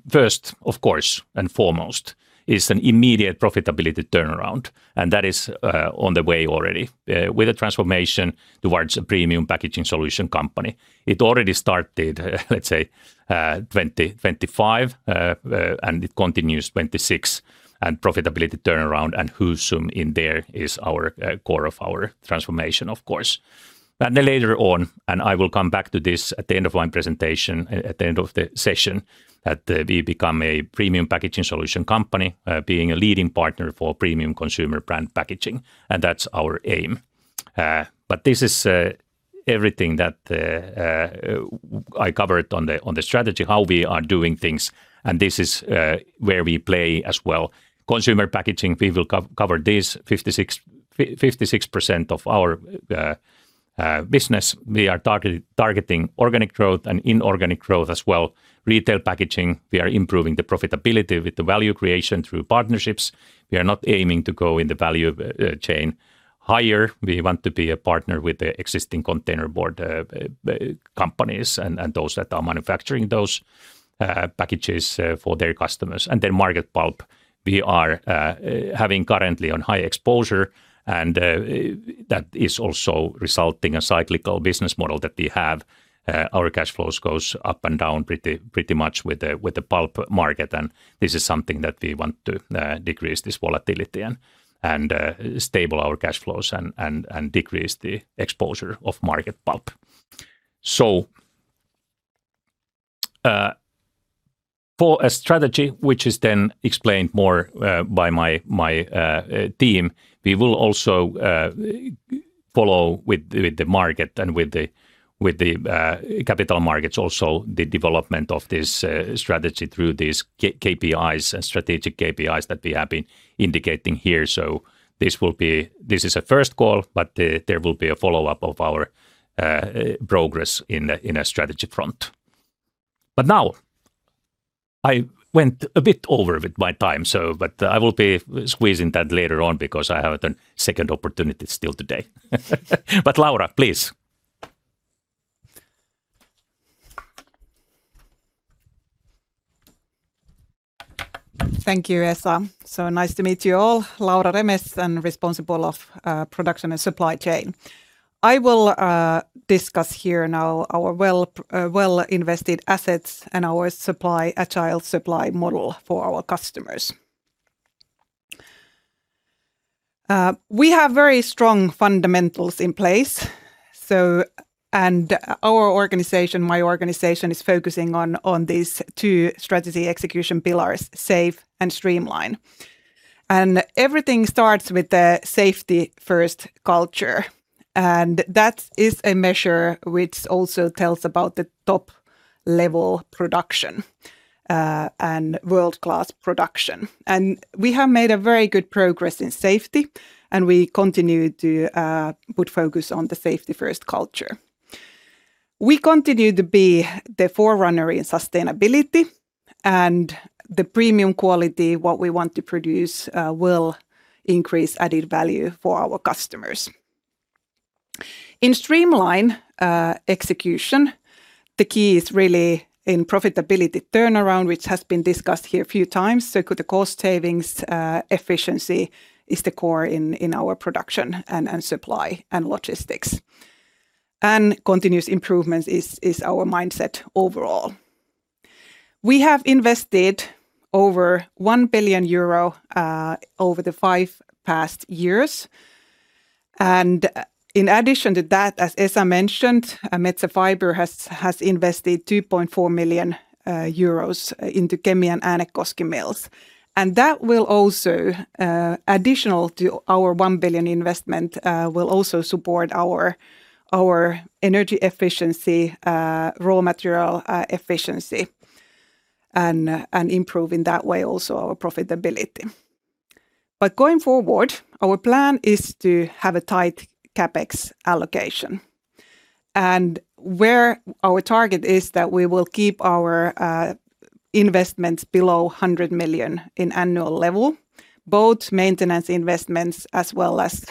First, of course, and foremost is an immediate profitability turnaround, and that is on the way already, with a transformation towards a premium packaging solution company. It already started, let's say, 2025, and it continues 2026, and profitability turnaround and Husum in there is our core of our transformation, of course. Later on, and I will come back to this at the end of my presentation, at the end of the session, that we become a premium packaging solution company, being a leading partner for premium consumer brand packaging, and that's our aim. This is everything that I covered on the, on the strategy, how we are doing things, and this is where we play as well. Consumer packaging, we will cover this 56% of our business. We are targeting organic growth and inorganic growth as well. Retail packaging, we are improving the profitability with the value creation through partnerships. We are not aiming to go in the value chain higher. We want to be a partner with the existing containerboard companies and those that are manufacturing those packages for their customers. Market pulp, we are having currently on high exposure and that is also resulting a cyclical business model that we have. Our cash flows goes up and down pretty much with the pulp market, and this is something that we want to decrease this volatility and stable our cash flows and decrease the exposure of market pulp. For a strategy which is then explained more by my team, we will also follow with the market and with the capital markets also the development of this strategy through these K-KPIs and strategic KPIs that we have been indicating here. This is a first call, there will be a follow-up of our progress in a strategy front. Now I went a bit over with my time, so but I will be squeezing that later on because I have a second opportunity still today. Laura, please. Thank you, Esa. Nice to meet you all. Laura Remes, responsible of production and supply chain. I will discuss here now our well-invested assets and our supply, agile supply model for our customers. We have very strong fundamentals in place. Our organization, my organization, is focusing on these two strategy execution pillars: safe and streamline. Everything starts with the safety first culture, and that is a measure which also tells about the top level production and world-class production. We have made a very good progress in safety, and we continue to put focus on the safety first culture. We continue to be the forerunner in sustainability, and the premium quality, what we want to produce, will increase added value for our customers. In streamline execution, the key is really in profitability turnaround, which has been discussed here a few times. Could the cost savings, efficiency is the core in our production and supply and logistics. Continuous improvements is our mindset overall. We have invested over 1 billion euro over the five past years. In addition to that, as Esa mentioned, Metsä Fibre has invested 2.4 million euros into Kemi and Äänekoski mills. That will also, additional to our 1 billion investment, will also support our energy efficiency, raw material efficiency and improve in that way also our profitability. Going forward, our plan is to have a tight CapEx allocation, where our target is that we will keep our investments below 100 million in annual level, both maintenance investments as well as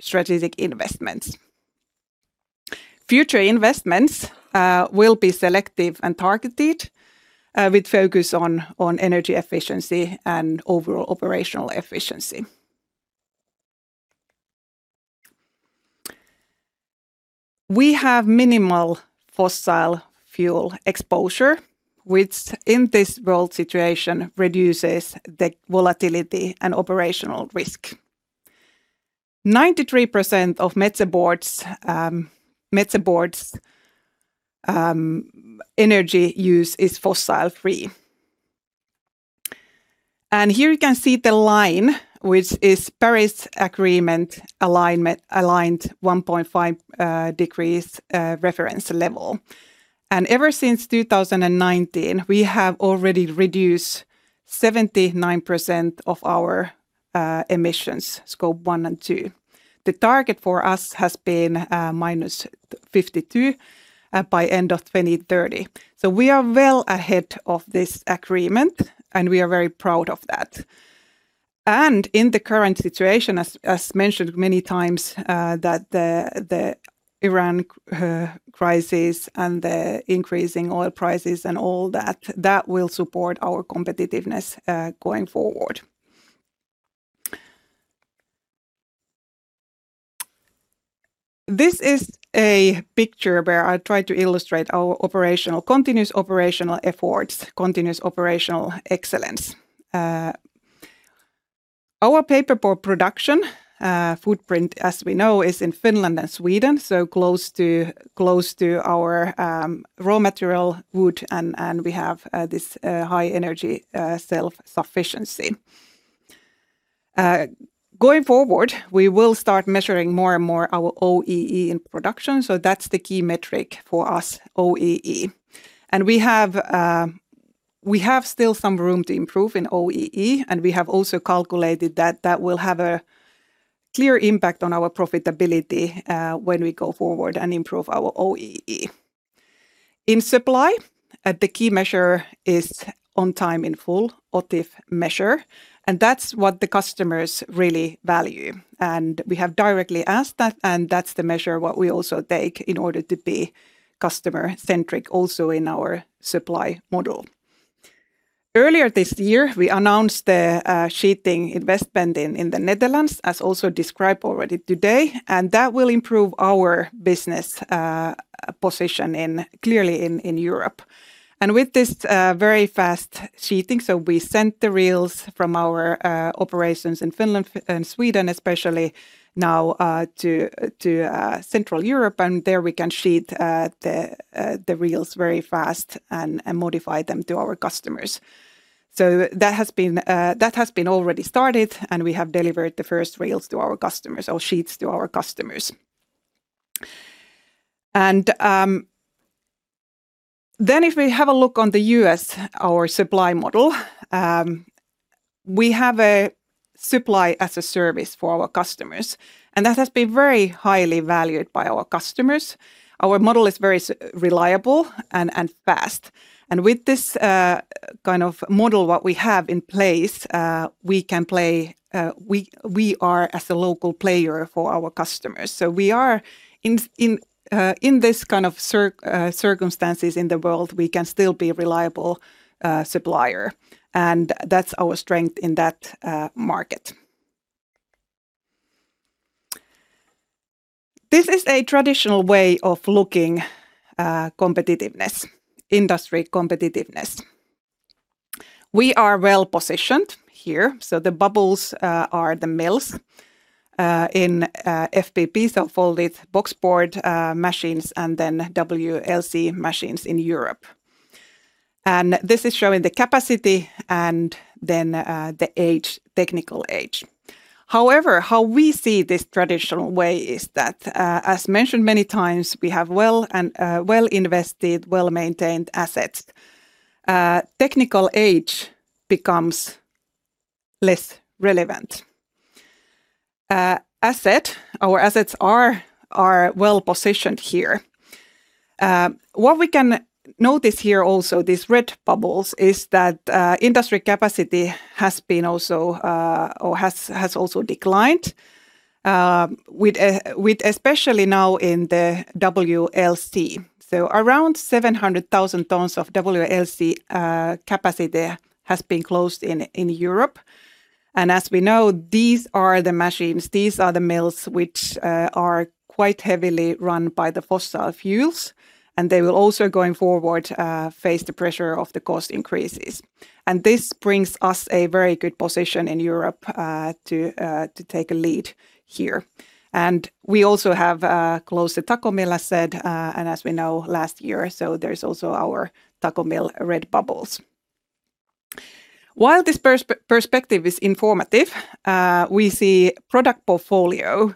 strategic investments. Future investments will be selective and targeted with focus on energy efficiency and overall operational efficiency. We have minimal fossil fuel exposure, which in this world situation reduces the volatility and operational risk. 93% of Metsä Board's energy use is fossil-free. Here you can see the line, which is Paris Agreement alignment, aligned 1.5 degrees reference level. Ever since 2019, we have already reduced 79% of our emissions, Scope One and Two. The target for us has been -52% by end of 2030. We are well ahead of this agreement, and we are very proud of that. In the current situation, as mentioned many times, that the Iran crisis and the increasing oil prices and all that will support our competitiveness going forward. This is a picture where I try to illustrate our operational, continuous operational efforts, continuous operational excellence. Our paperboard production footprint, as we know, is in Finland and Sweden, so close to our raw material wood and we have this high energy self-sufficiency. Going forward, we will start measuring more and more our OEE in production, so that's the key metric for us, OEE. We have still some room to improve in OEE, and we have also calculated that that will have a clear impact on our profitability when we go forward and improve our OEE. In supply, the key measure is on time in full, OTIF measure, and that's what the customers really value. We have directly asked that, and that's the measure what we also take in order to be customer-centric also in our supply model. Earlier this year, we announced the sheeting investment in the Netherlands, as also described already today, and that will improve our business position clearly in Europe. With this very fast sheeting, we sent the reels from our operations in Finland and Sweden especially now to Central Europe, and there we can sheet the reels very fast and modify them to our customers. That has been already started, and we have delivered the first reels to our customers or sheets to our customers. If we have a look on the U.S., our supply model, we have a supply as a service for our customers, and that has been very highly valued by our customers. Our model is very reliable and fast. With this kind of model what we have in place, we can play, we are as a local player for our customers. We are in this kind of circumstances in the world, we can still be a reliable supplier, and that's our strength in that market. This is a traditional way of looking competitiveness, industry competitiveness. We are well-positioned here. The bubbles are the mills in FBBs, so Folding Boxboard machines and then WLC machines in Europe. This is showing the capacity and then the age, technical age. However, how we see this traditional way is that as mentioned many times, we have well and well-invested, well-maintained assets. Technical age becomes less relevant. Our assets are well-positioned here. What we can notice here also, these red bubbles, is that industry capacity has been also declined with especially now in the WLC. Around 700,000 tons of WLC capacity has been closed in Europe. As we know, these are the machines, these are the mills which are quite heavily run by the fossil fuels, and they will also, going forward, face the pressure of the cost increases. This brings us a very good position in Europe to take a lead here. We also have closed the Tako mill, I said, and as we know, last year, so there's also our Tako mill red bubbles. While this perspective is informative, we see product portfolio,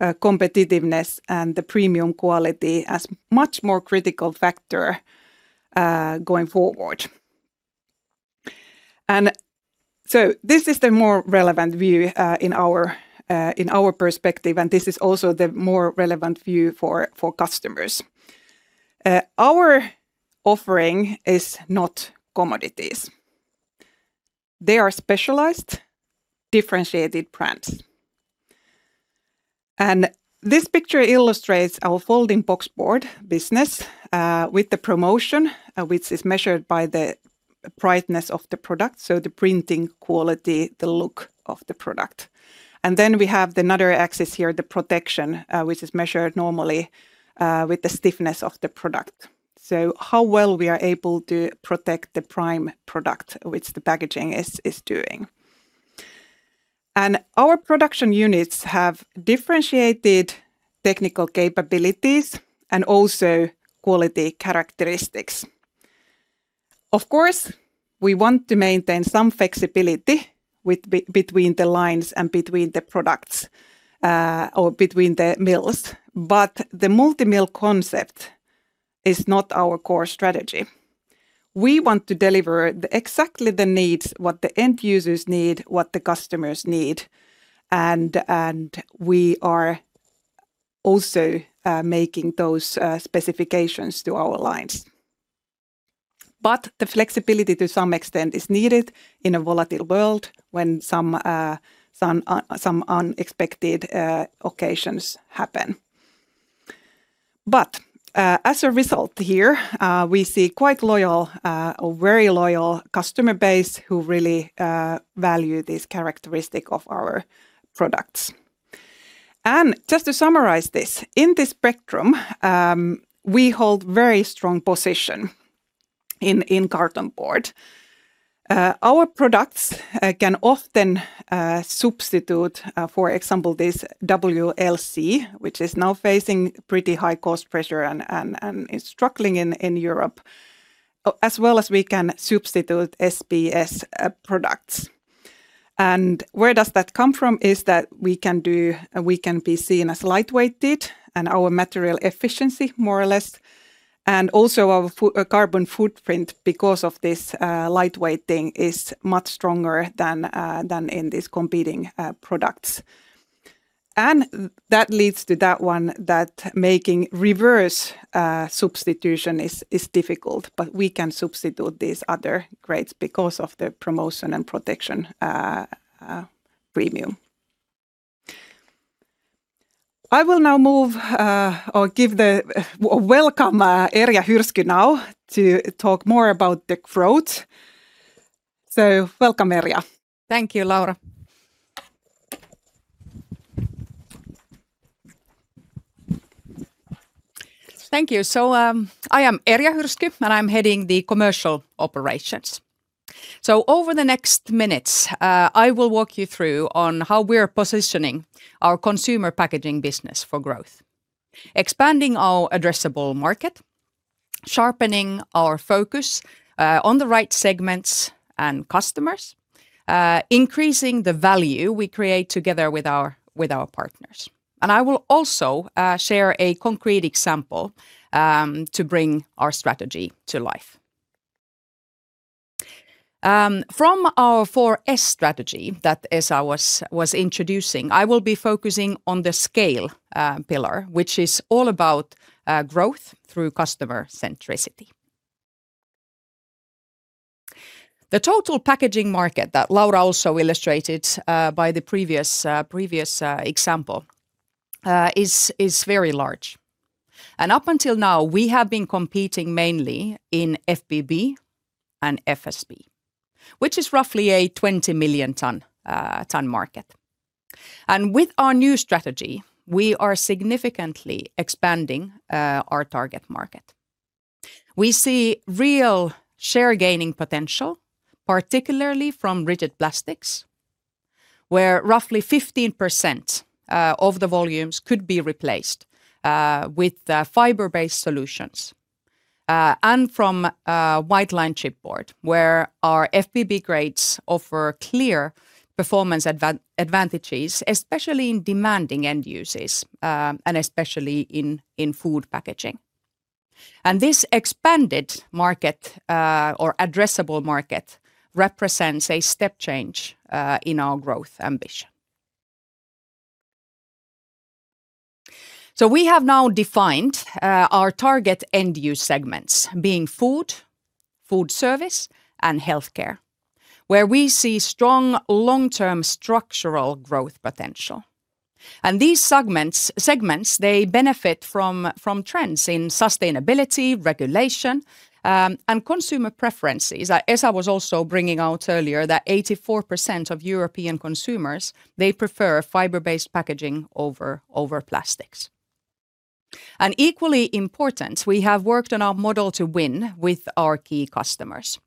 competitiveness and the premium quality as much more critical factor going forward. So this is the more relevant view in our perspective, and this is also the more relevant view for customers. Our offering is not commodities. They are specialized, differentiated brands. This picture illustrates our Folding Boxboard business with the promotion, which is measured by the brightness of the product, so the printing quality, the look of the product. Then we have another axis here, the protection, which is measured normally with the stiffness of the product. How well we are able to protect the prime product, which the packaging is doing. Our production units have differentiated technical capabilities and also quality characteristics. Of course, we want to maintain some flexibility between the lines and between the products, or between the mills, the multi-mill concept is not our core strategy. We want to deliver exactly the needs, what the end users need, what the customers need, and we are also making those specifications to our lines. The flexibility to some extent is needed in a volatile world when some unexpected occasions happen. As a result here, we see quite loyal, or very loyal customer base who really value this characteristic of our products. Just to summarize this, in this spectrum, we hold very strong position in carton board. Our products can often substitute, for example, this WLC, which is now facing pretty high cost pressure and is struggling in Europe. As well as we can substitute SBS products. Where does that come from is that we can do, we can be seen as light-weighted, and our material efficiency more or less, and also our carbon footprint because of this lightweight thing is much stronger than in these competing products. That leads to that one that making reverse substitution is difficult, but we can substitute these other grades because of the promotion and protection premium. I will now move or give the welcome, Erja Hyrsky now to talk more about the growth. Welcome, Erja. Thank you, Laura. Thank you. I am Erja Hyrsky, and I'm heading the Commercial Operations. Over the next minutes, I will walk you through on how we're positioning our consumer packaging business for growth. Expanding our addressable market, sharpening our focus on the right segments and customers, increasing the value we create together with our partners. I will also share a concrete example to bring our strategy to life. From our four S strategy that Esa was introducing, I will be focusing on the scale pillar, which is all about growth through customer centricity. The total packaging market that Laura also illustrated by the previous example is very large. Up until now, we have been competing mainly in FBB and FSB, which is roughly a 20 million ton market. With our new strategy, we are significantly expanding our target market. We see real share gaining potential, particularly from rigid plastics, where roughly 15% of the volumes could be replaced with the fiber-based solutions and from white lined chipboard, where our FBB grades offer clear performance advantages, especially in demanding end uses and especially in food packaging. This expanded market or addressable market represents a step change in our growth ambition. We have now defined our target end use segments being food service, and healthcare, where we see strong long-term structural growth potential. These segments, they benefit from trends in sustainability, regulation, and consumer preferences. Esa was also bringing out earlier that 84% of European consumers, they prefer fiber-based packaging over plastics. Equally important, we have worked on our model to win with our key customers.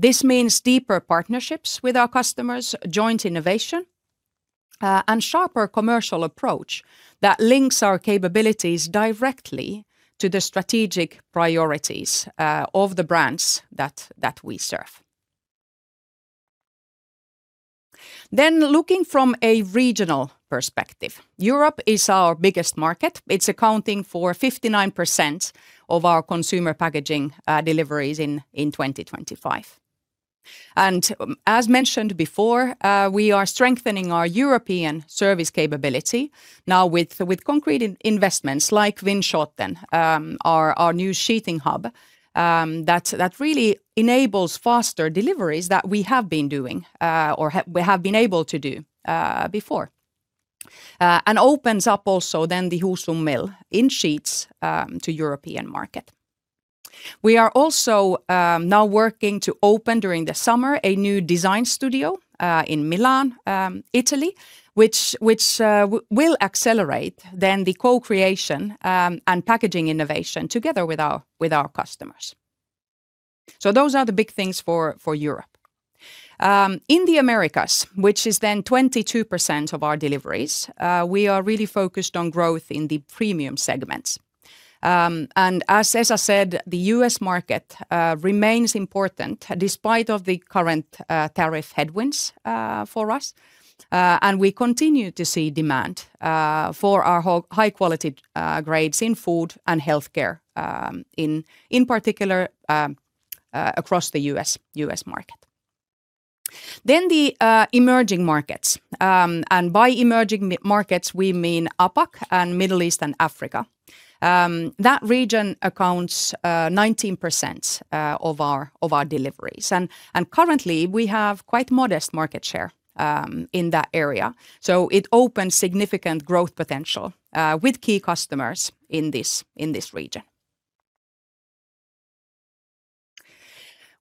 This means deeper partnerships with our customers, joint innovation, and sharper commercial approach that links our capabilities directly to the strategic priorities of the brands that we serve. Looking from a regional perspective, Europe is our biggest market. It's accounting for 59% of our consumer packaging deliveries in 2025. As mentioned before, we are strengthening our European service capability now with concrete investments like Winschoten, our new sheeting hub, that really enables faster deliveries that we have been doing or we have been able to do before. opens up also then the Husum mill in sheets to European market. We are also now working to open during the summer a new design studio in Milan, Italy, which will accelerate then the co-creation and packaging innovation together with our customers. Those are the big things for Europe. In the Americas, which is then 22% of our deliveries, we are really focused on growth in the premium segments. As Esa said, the U.S. market remains important despite of the current tariff headwinds for us. We continue to see demand for our high quality grades in food and healthcare in particular across the U.S. market. The emerging markets, and by emerging markets, we mean APAC and Middle East and Africa. That region accounts 19% of our deliveries. Currently, we have quite modest market share in that area, so it opens significant growth potential with key customers in this region.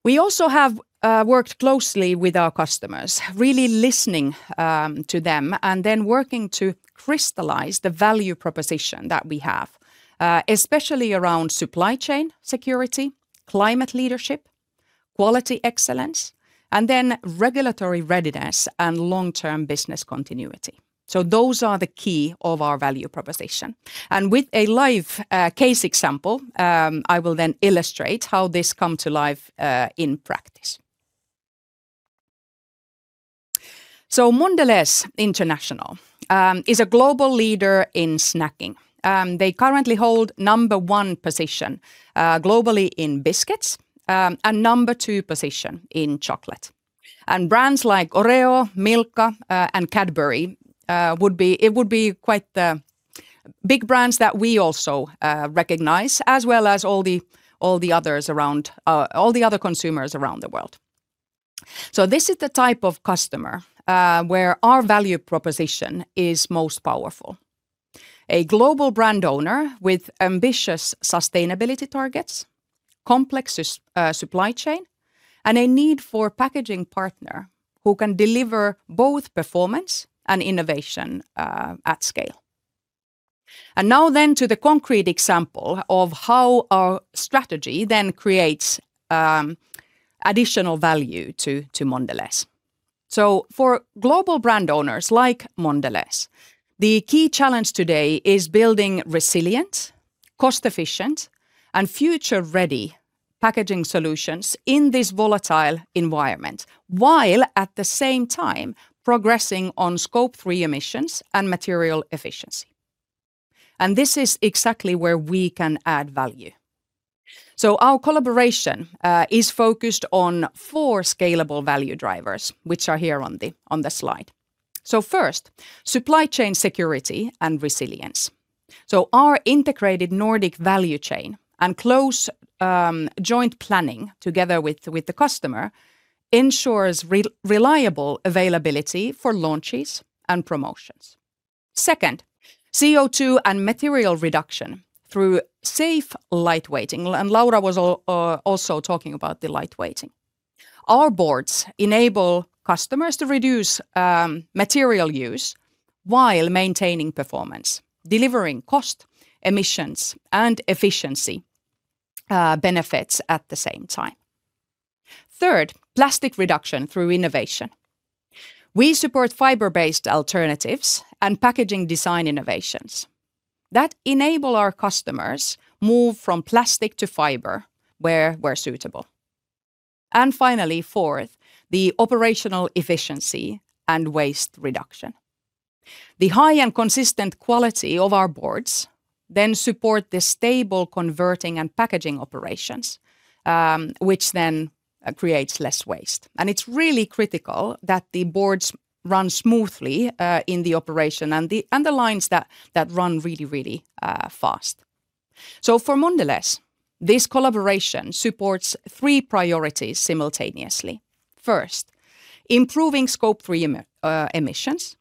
We also have worked closely with our customers, really listening to them and then working to crystallize the value proposition that we have, especially around supply chain security, climate leadership, quality excellence, and then regulatory readiness and long-term business continuity. Those are the key of our value proposition. With a live case example, I will then illustrate how this come to life in practice. Mondelez International is a global leader in snacking. They currently hold number one position globally in biscuits and number two position in chocolate. Brands like Oreo, Milka and Cadbury, it would be quite the big brands that we also recognize as well as all the other consumers around the world. This is the type of customer where our value proposition is most powerful. A global brand owner with ambitious sustainability targets, complex supply chain, and a need for packaging partner who can deliver both performance and innovation at scale. Now then to the concrete example of how our strategy then creates additional value to Mondelez. For global brand owners like Mondelez, the key challenge today is building resilient, cost-efficient, and future-ready packaging solutions in this volatile environment, while at the same time progressing on Scope 3 emissions and material efficiency. This is exactly where we can add value. Our collaboration is focused on four scalable value drivers, which are here on the slide. First, supply chain security and resilience. Our integrated Nordic value chain and close joint planning together with the customer ensures reliable availability for launches and promotions. Second, CO2 and material reduction through safe lightweighting. Laura was also talking about the lightweighting. Our boards enable customers to reduce material use while maintaining performance, delivering cost, emissions, and efficiency benefits at the same time. Third, plastic reduction through innovation. We support fiber-based alternatives and packaging design innovations that enable our customers move from plastic to fiber where suitable. Finally, fourth, the operational efficiency and waste reduction. The high-end consistent quality of our boards then support the stable converting and packaging operations, which then creates less waste. It's really critical that the boards run smoothly in the operation and the underlines that run really fast. For Mondelez, this collaboration supports three priorities simultaneously. First, improving Scope Three emissions,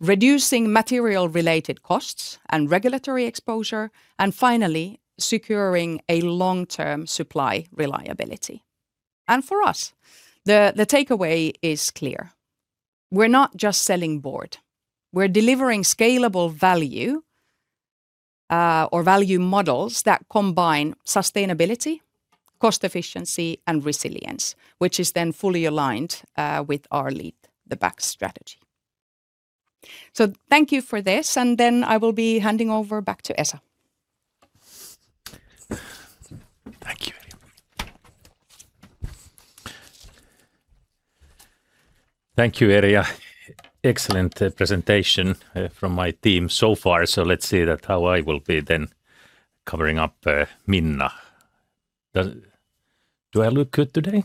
reducing material-related costs and regulatory exposure, and finally, securing a long-term supply reliability. For us, the takeaway is clear. We're not just selling board. We're delivering scalable value or value models that combine sustainability, cost efficiency, and resilience, which is then fully aligned with our Lead the Pack strategy. Thank you for this, I will be handing over back to Esa. Thank you, Erja. Thank you, Erja. Excellent presentation from my team so far. Let's see that how I will be then covering up, Minna. Do I look good today?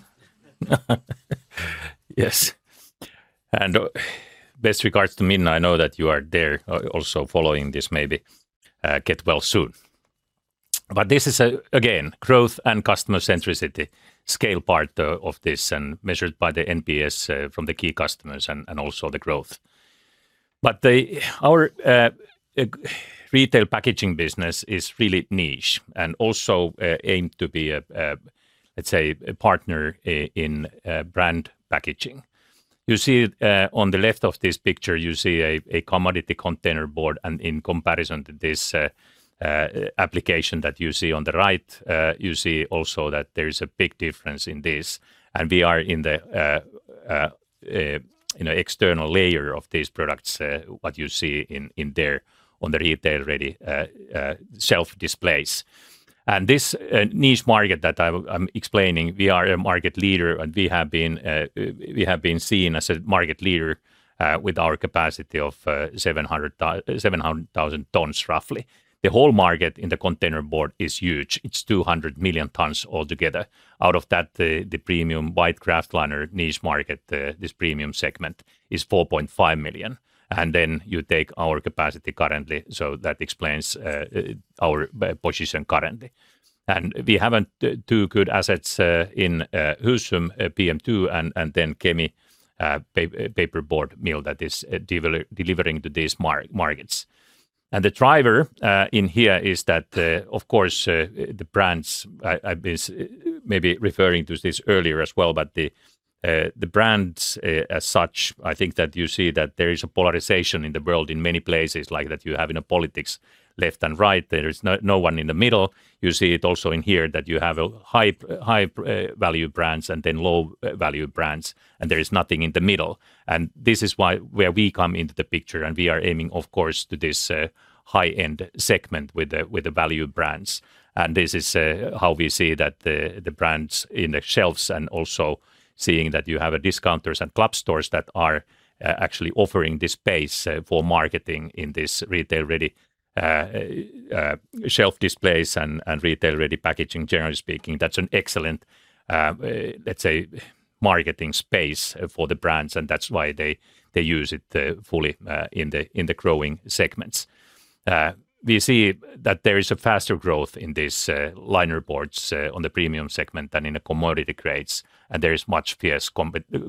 Yes. Best regards to Minna. I know that you are there also following this maybe. Get well soon. This is a, again, growth and customer centricity scale part of this and measured by the NPS from the key customers and also the growth. The, our, retail packaging business is really niche and also aimed to be a, let's say a partner in brand packaging. You see, on the left of this picture, you see a commodity containerboard, in comparison to this, application that you see on the right, you see also that there is a big difference in this. We are in the, you know, external layer of these products, what you see in there on the retail-ready, self-displays. This niche market that I'm explaining, we are a market leader, and we have been seen as a market leader, with our capacity of 700,000 tons roughly. The whole market in the containerboard is huge. It's 200 million tons altogether. Out of that, the premium white kraftliner niche market, this premium segment, is 4.5 million. You take our capacity currently, so that explains our position currently. We have two good assets in Husum, PM2, and then Kemi paper board mill that is delivering to these markets. The driver in here is that, of course, the brands I was maybe referring to this earlier as well, but the brands as such, I think that you see that there is a polarization in the world in many places, like that you have in the politics left and right. There is no one in the middle. You see it also in here that you have a high value brands and then low value brands, and there is nothing in the middle. where we come into the picture, and we are aiming, of course, to this high-end segment with the value brands. This is how we see that the brands in the shelves and also seeing that you have a discounters and club stores that are actually offering this space for marketing in this retail-ready shelf displays and retail-ready packaging, generally speaking. That's an excellent, let's say, marketing space for the brands, and that's why they use it fully in the growing segments. We see that there is a faster growth in this linerboards on the premium segment than in the commodity grades, and there is much fierce competition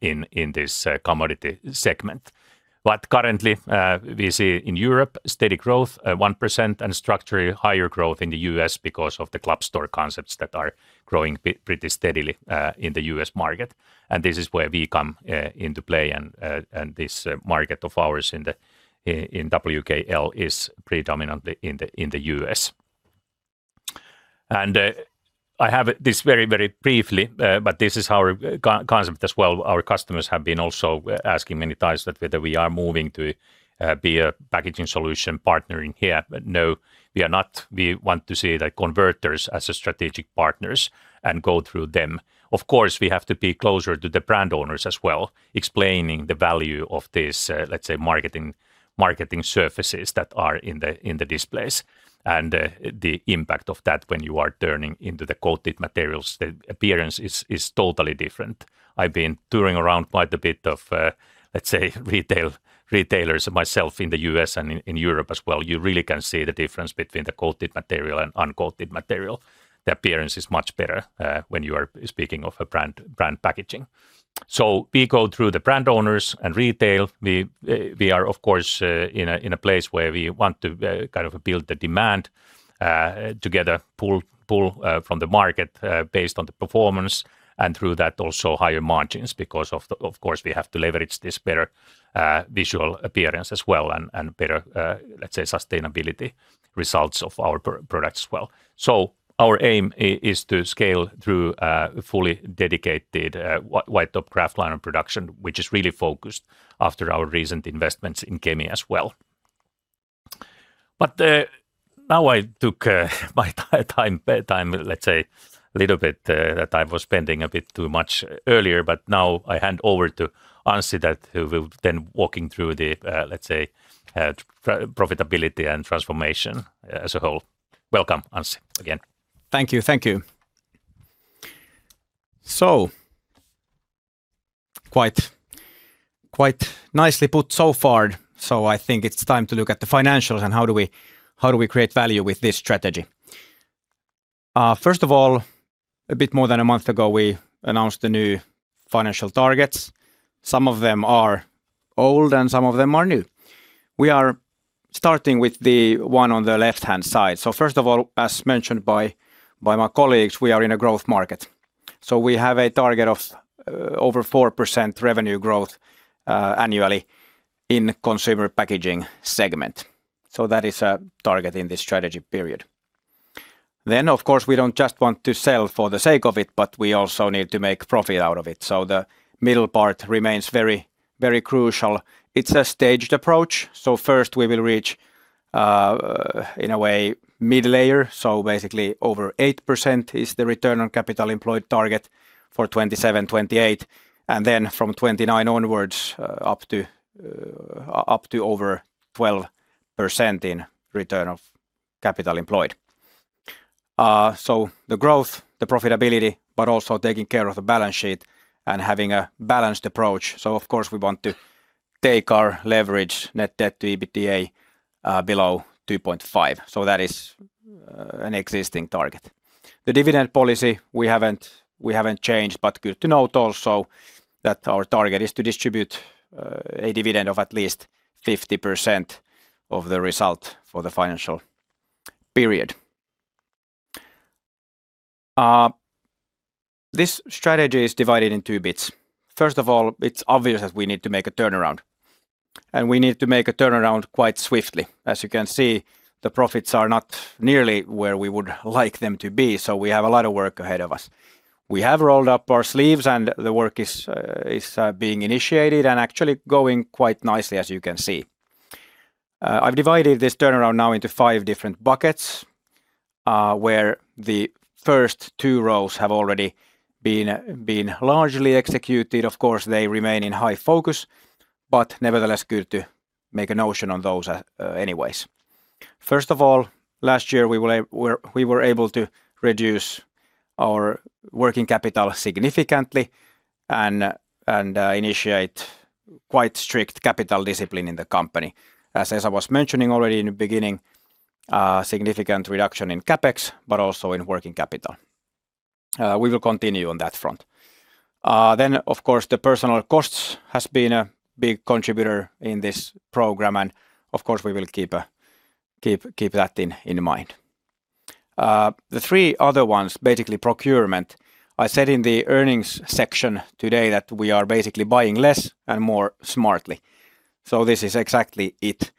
in this commodity segment. Currently, we see in Europe steady growth at 1% and structurally higher growth in the U.S. because of the club store concepts that are growing pretty steadily in the U.S. market. This is where we come into play and this market of ours in WKL is predominantly in the U.S. I have this very, very briefly, but this is our concept as well. Our customers have been also asking many times that whether we are moving to be a packaging solution partner in here. No, we are not. We want to see the converters as a strategic partners and go through them. Of course, we have to be closer to the brand owners as well, explaining the value of this, let's say, marketing surfaces that are in the displays, and the impact of that when you are turning into the coated materials, the appearance is totally different. I've been touring around quite a bit of, let's say, retailers myself in the U.S. and in Europe as well. You really can see the difference between the coated material and uncoated material. The appearance is much better, when you are speaking of a brand packaging. We go through the brand owners and retail. We are of course, in a place where we want to, kind of build the demand, together, pull, from the market, based on the performance, and through that also higher margins because of course, we have to leverage this better, visual appearance as well and better, let's say, sustainability results of our products as well. Our aim is to scale through, fully dedicated, white top kraftliner production, which is really focused after our recent investments in Kemi as well. Now I took my time, let's say, a little bit, that I was spending a bit too much earlier, but now I hand over to Anssi that he will then walking through the, let's say, profitability and transformation as a whole. Welcome, Anssi, again. Thank you. Quite nicely put so far. I think it's time to look at the financials and how do we create value with this strategy. First of all, a bit more than a month ago, we announced the new financial targets. Some of them are old and some of them are new. We are starting with the one on the left-hand side. First of all, as mentioned by my colleagues, we are in a growth market. We have a target of over four percent revenue growth annually in consumer packaging segment. That is our target in this strategy period. Of course, we don't just want to sell for the sake of it, but we also need to make profit out of it. The middle part remains very crucial. It's a staged approach. First we will reach, in a way, mid-layer. Over eight percent is the return on capital employed target for 2027, 2028, and then from 2029 onwards, up to over 12% in return of capital employed. The growth, the profitability, but also taking care of the balance sheet and having a balanced approach. We want to take our leverage net debt to EBITDA below 2.5. That is an existing target. The dividend policy, we haven't changed, but good to note also that our target is to distribute a dividend of at least 50% of the result for the financial period. This strategy is divided in two bits. It's obvious that we need to make a turnaround, and we need to make a turnaround quite swiftly. As you can see, the profits are not nearly where we would like them to be, so we have a lot of work ahead of us. We have rolled up our sleeves and the work is being initiated and actually going quite nicely, as you can see. I've divided this turnaround now into five different buckets, where the first two rows have already been largely executed. Of course, they remain in high focus, but nevertheless good to make a notion on those anyways. First of all, last year we were able to reduce our working capital significantly and initiate quite strict capital discipline in the company. As I was mentioning already in the beginning, significant reduction in CapEx, but also in working capital. We will continue on that front. Then of course, the personal costs has been a big contributor in this program, and of course we will keep that in mind. The three other ones, basically procurement. I said in the earnings section today that we are basically buying less and more smartly. This is exactly it.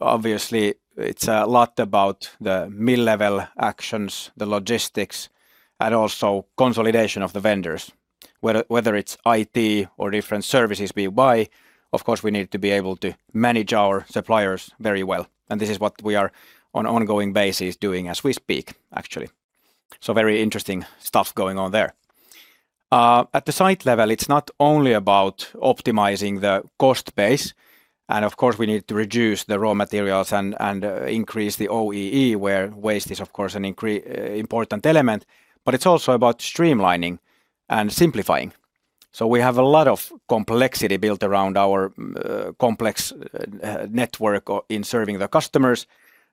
Obviously, it's a lot about the mid-level actions, the logistics, and also consolidation of the vendors. Whether it's IT or different services we buy, of course, we need to be able to manage our suppliers very well, and this is what we are on ongoing basis doing as we speak, actually. Very interesting stuff going on there. At the site level, it's not only about optimizing the cost base, and of course we need to reduce the raw materials and increase the OEE where waste is, of course, an important element, but it's also about streamlining and simplifying. We have a lot of complexity built around our complex network in serving the customers.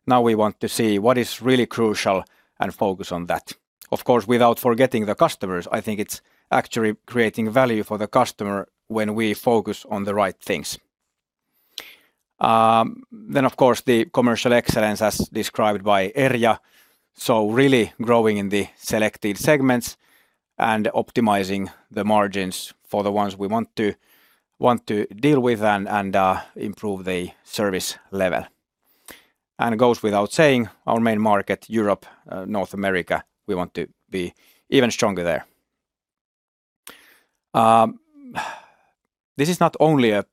We want to see what is really crucial and focus on that. Of course, without forgetting the customers. I think it's actually creating value for the customer when we focus on the right things. Then of course, the commercial excellence as described by Erja. Really growing in the selected segments and optimizing the margins for the ones we want to deal with and improve the service level. It goes without saying, our main market, Europe, North America, we want to be even stronger there. This is not only a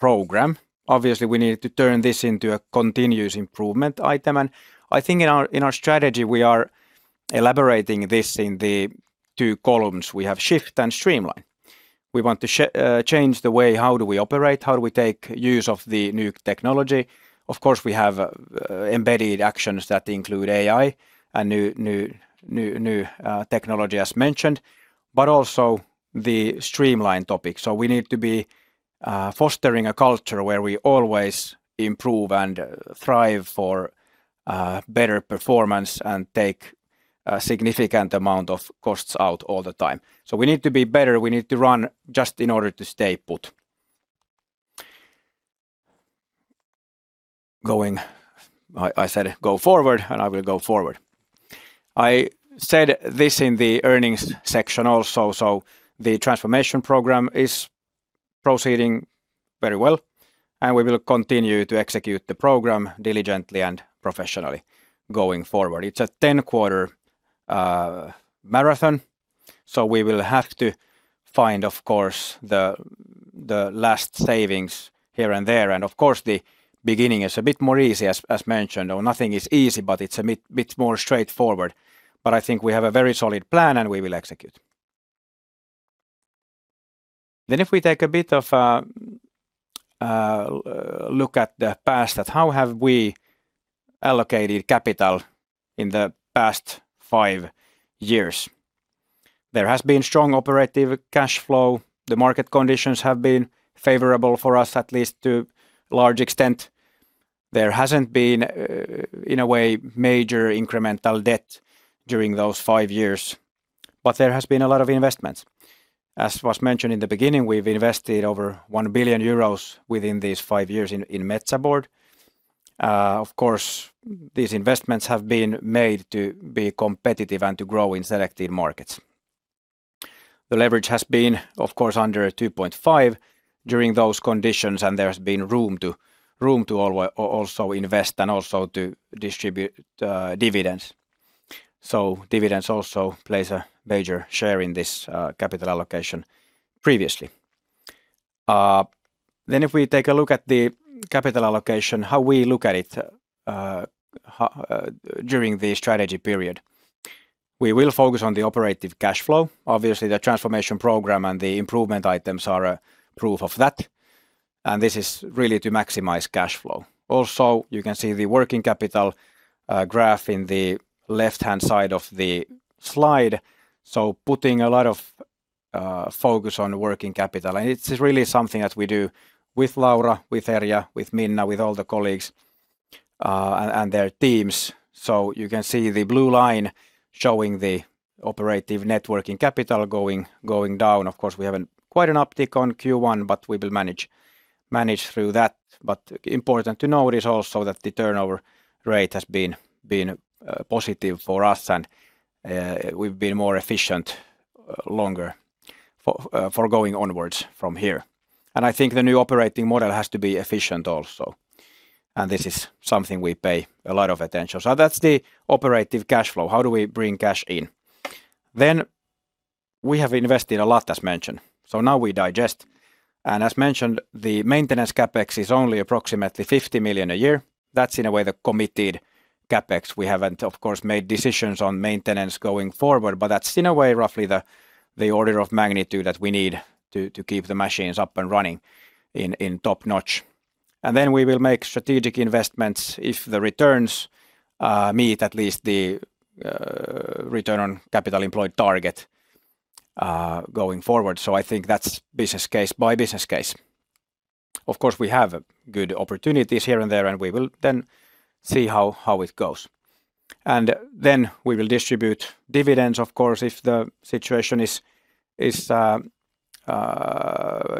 program. Obviously, we need to turn this into a continuous improvement item. I think in our strategy, we are elaborating this in the two columns. We have Shift and Streamline. We want to change the way how do we operate, how do we take use of the new technology. Of course, we have embedded actions that include AI and new technology as mentioned, but also the Streamline topic. We need to be fostering a culture where we always improve and thrive for better performance and take a significant amount of costs out all the time. We need to be better, we need to run just in order to stay put. I said go forward. I will go forward. I said this in the earnings section also. The transformation program is proceeding very well, and we will continue to execute the program diligently and professionally going forward. It's a 10-quarter marathon. We will have to find, of course, the last savings here and there. Of course, the beginning is a bit more easy, as mentioned, or nothing is easy, but it's a bit more straightforward. I think we have a very solid plan, and we will execute. If we take a bit of a look at the past at how have we allocated capital in the past five years. There has been strong operative cash flow. The market conditions have been favorable for us, at least to a large extent. There hasn't been in a way, major incremental debt during those five years, but there has been a lot of investments. As was mentioned in the beginning, we've invested over 1 billion euros within these five years in Metsä Board. Of course, these investments have been made to be competitive and to grow in selected markets. The leverage has been, of course, under 2.5 during those conditions, and there's been room to also invest and also to distribute dividends. Dividends also plays a major share in this capital allocation previously. If we take a look at the capital allocation, how we look at it during the strategy period. We will focus on the operative cash flow. The transformation program and the improvement items are a proof of that. This is really to maximize cash flow. You can see the working capital graph in the left-hand side of the slide. Putting a lot of focus on working capital, and it's really something that we do with Laura, with Erja, with Minna, with all the colleagues and their teams. You can see the blue line showing the operative net working capital going down. We have quite an uptick on Q1. We will manage through that. Important to note is also that the turnover rate has been positive for us and we've been more efficient longer for going onwards from here. I think the new operating model has to be efficient also, and this is something we pay a lot of attention. That's the operative cash flow. How do we bring cash in? We have invested a lot, as mentioned. Now we digest. As mentioned, the maintenance CapEx is only approximately 50 million a year. That's in a way the committed CapEx. We haven't, of course, made decisions on maintenance going forward, but that's in a way roughly the order of magnitude that we need to keep the machines up and running in top-notch. Then we will make strategic investments if the returns meet at least the return on capital employed target going forward. I think that's business case by business case. Of course, we have good opportunities here and there, we will then see how it goes. Then we will distribute dividends, of course, if the situation is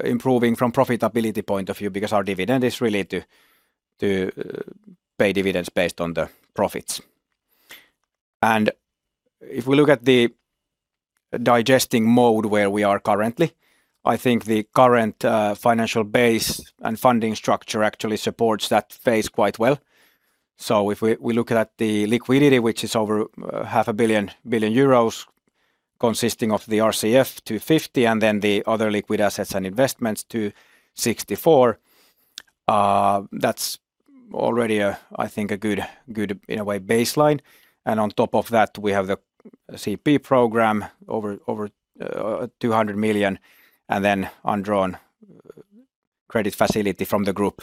improving from profitability point of view because our dividend is really to pay dividends based on the profits. If we look at the digesting mode where we are currently, I think the current financial base and funding structure actually supports that phase quite well. If we look at the liquidity, which is over half a billion EUR consisting of the RCF 250 and then the other liquid assets and investments 264, that's already a, I think, a good in a way baseline. On top of that, we have the CP program over 200 million and then undrawn credit facility from the group,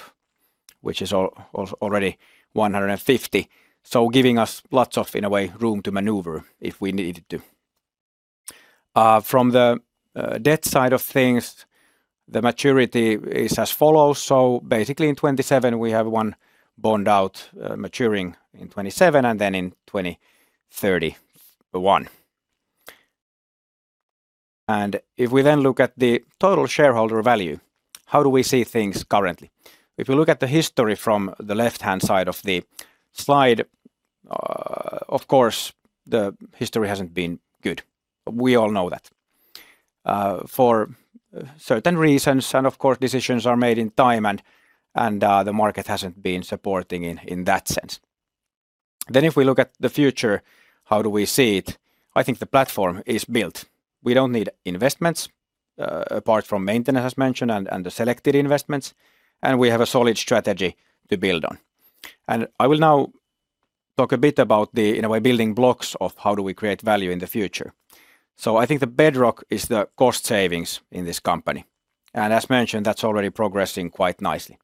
which is already 150, giving us lots of, in a way, room to maneuver if we needed to. From the debt side of things, the maturity is as follows. Basically in 2027 we have one bond out maturing in 2027 and then in 2031. If we look at the total shareholder value, how do we see things currently? If you look at the history from the left-hand side of the slide, of course, the history hasn't been good. We all know that. For certain reasons, and of course, decisions are made in time and the market hasn't been supporting in that sense. If we look at the future, how do we see it? I think the platform is built. We don't need investments, apart from maintenance, as mentioned, and the selected investments, and we have a solid strategy to build on. I will now talk a bit about the, in a way, building blocks of how do we create value in the future. I think the bedrock is the cost savings in this company. As mentioned, that's already progressing quite nicely.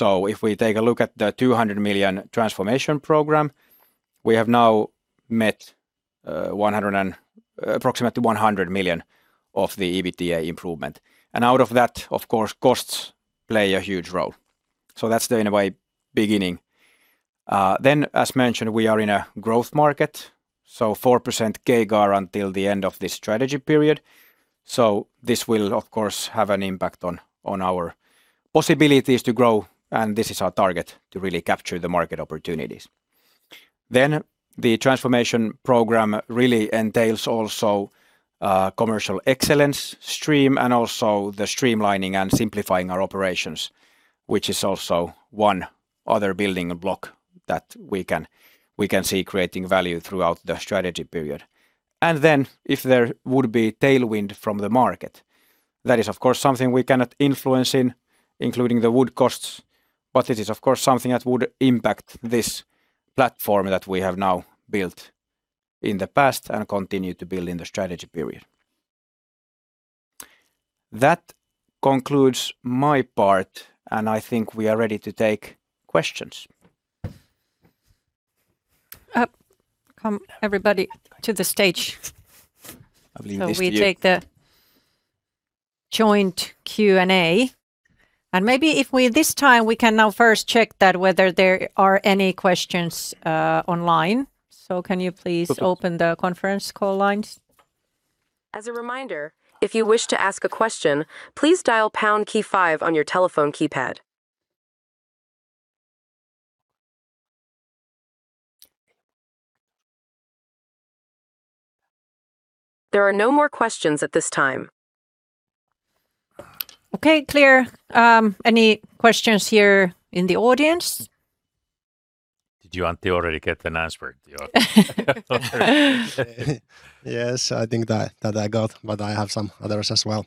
If we take a look at the 200 million transformation program, we have now met approximately 100 million of the EBITDA improvement. Out of that, of course, costs play a huge role. That's the, in a way, beginning. As mentioned, we are in a growth market, so four percent CAGR until the end of this Strategy Period. This will of course have an impact on our possibilities to grow, and this is our target to really capture the market opportunities. The Transformation Program really entails also Commercial Excellence Stream and also the streamlining and simplifying our operations, which is also one other building block that we can see creating value throughout the Strategy Period. If there would be tailwind from the market, that is of course something we cannot influence, including the wood costs. It is of course something that would impact this platform that we have now built in the past and continue to build in the Strategy Period. That concludes my part, and I think we are ready to take questions. Up come everybody to the stage. I believe it is you. We take the joint Q&A. Maybe if we this time we can now first check that whether there are any questions online. Can you please open the conference call lines? As a reminder, if you wish to ask a question, please dial pound key five on your telephone keypad. There are no more questions at this time. Okay. Clear. Any questions here in the audience? Did you want to already get an answer? Do you want? Yes, I think that I got, but I have some others as well.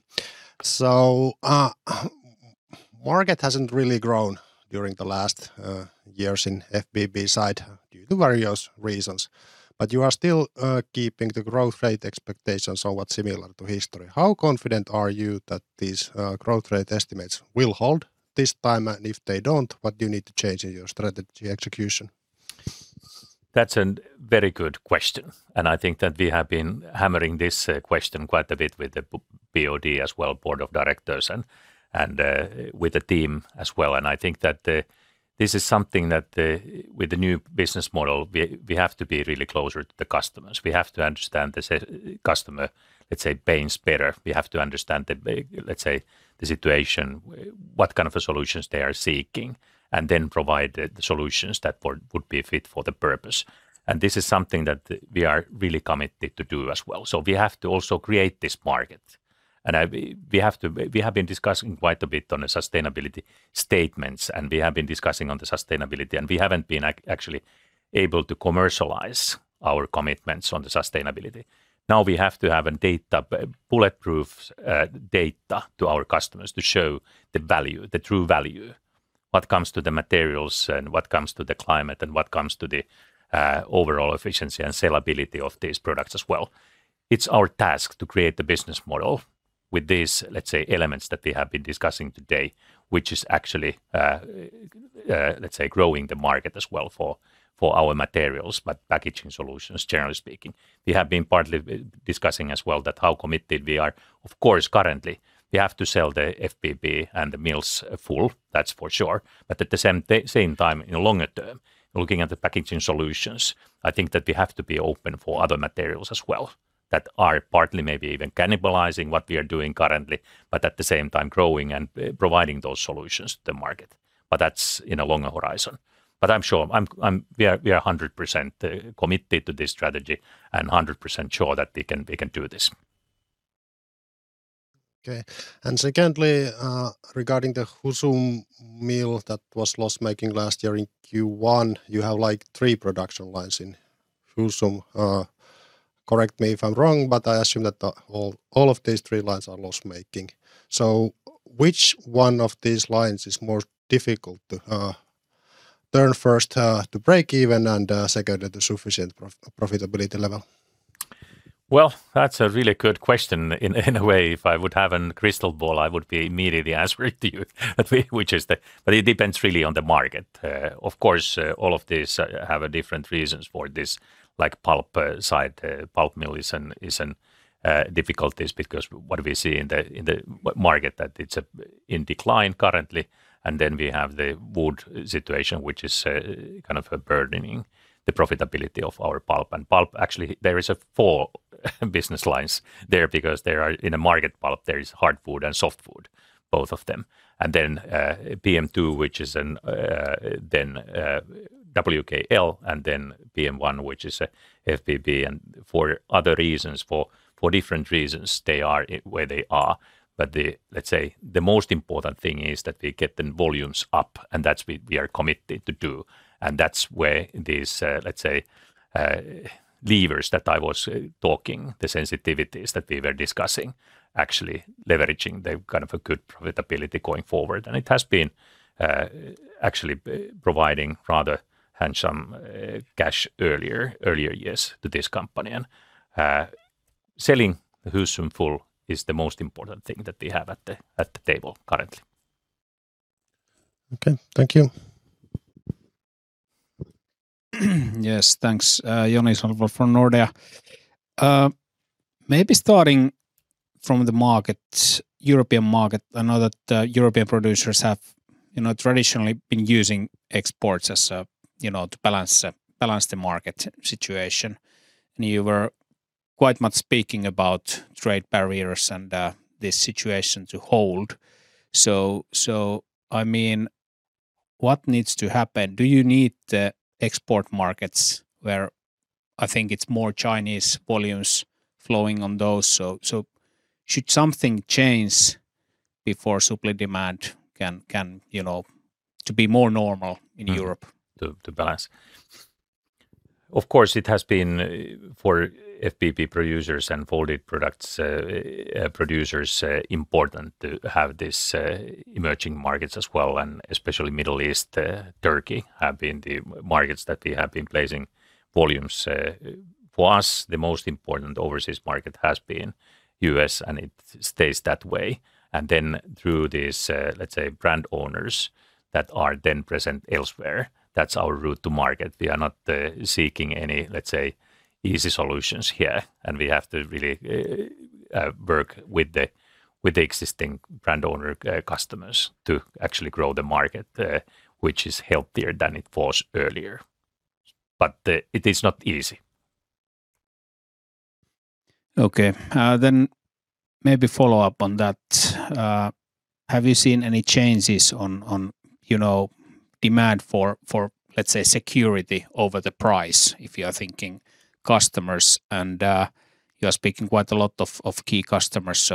Market hasn't really grown during the last years in FBB side due to various reasons, but you are still keeping the growth rate expectations somewhat similar to history. How confident are you that these growth rate estimates will hold this time? If they don't, what do you need to change in your strategy execution? That's a very good question. I think that we have been hammering this question quite a bit with the BOD as well, board of directors, and with the team as well. I think that this is something that with the new business model, we have to be really closer to the customers. We have to understand the customer, let's say, pains better. We have to understand the, let's say, the situation, what kind of solutions they are seeking, and then provide the solutions that would be fit for the purpose. This is something that we are really committed to do as well. We have to also create this market. We have been discussing quite a bit on the sustainability statements. We have been discussing on the sustainability. We haven't been actually able to commercialize our commitments on the sustainability. We have to have a data, bulletproof data to our customers to show the value, the true value, what comes to the materials and what comes to the climate and what comes to the overall efficiency and sellability of these products as well. It's our task to create the business model. With these, let's say, elements that we have been discussing today, which is actually, let's say growing the market as well for our materials, but packaging solutions generally speaking. We have been partly discussing as well that how committed we are. Of course, currently we have to sell the FBB and the mills full, that's for sure. At the same time, in longer term, looking at the packaging solutions, I think that we have to be open for other materials as well that are partly maybe even cannibalizing what we are doing currently, but at the same time growing and providing those solutions to the market. That's in a longer horizon. I'm sure. We are 100% committed to this strategy and 100% sure that we can, we can do this. Okay. Secondly, regarding the Husum mill that was loss-making last year in Q1, you have, like, three production lines in Husum. Correct me if I'm wrong, but I assume that all of these three lines are loss-making. Which one of these lines is more difficult to turn first, to break even and, second at a sufficient profitability level? Well, that's a really good question. In a way if I would have a crystal ball, I would be immediately answer it to you. It depends really on the market. Of course, all of these have different reasons for this, like pulp side. Pulp mill is in difficulties because what we see in the market that it's in decline currently. We have the wood situation, which is kind of burdening the profitability of our pulp. Pulp actually there is four business lines there. In a market pulp, there is hard wood and soft wood, both of them. PM2, which is a WKL and PM1, which is FBB. For other reasons, for different reasons, they are where they are. The, let's say, the most important thing is that we get the volumes up, and that's we are committed to do, and that's where these, let's say, levers that I was talking, the sensitivities that we were discussing, actually leveraging the kind of a good profitability going forward. It has been actually providing rather handsome cash earlier years to this company. Selling Husum full is the most important thing that we have at the table currently. Okay. Thank you. Yes. Thanks. Joni Sandvall from Nordea. Maybe starting from the markets, European market, I know that, European producers have, you know, traditionally been using exports as a, you know, to balance the market situation. You were quite much speaking about trade barriers and the situation to hold. I mean, what needs to happen? Do you need the export markets where I think it's more Chinese volumes flowing on those, should something change before supply demand can, you know, to be more normal in Europe? To balance. Of course, it has been for FBB producers and folded products producers important to have these emerging markets as well, and especially Middle East, Turkey have been the markets that we have been placing volumes. For us, the most important overseas market has been U.S., and it stays that way. Through these, let's say, brand owners that are then present elsewhere, that's our route to market. We are not seeking any, let's say, easy solutions here, and we have to really work with the existing brand owner customers to actually grow the market, which is healthier than it was earlier. It is not easy. Okay. Maybe follow up on that. Have you seen any changes on, you know, demand for, let's say, security over the price, if you are thinking customers and you are speaking quite a lot of key customers?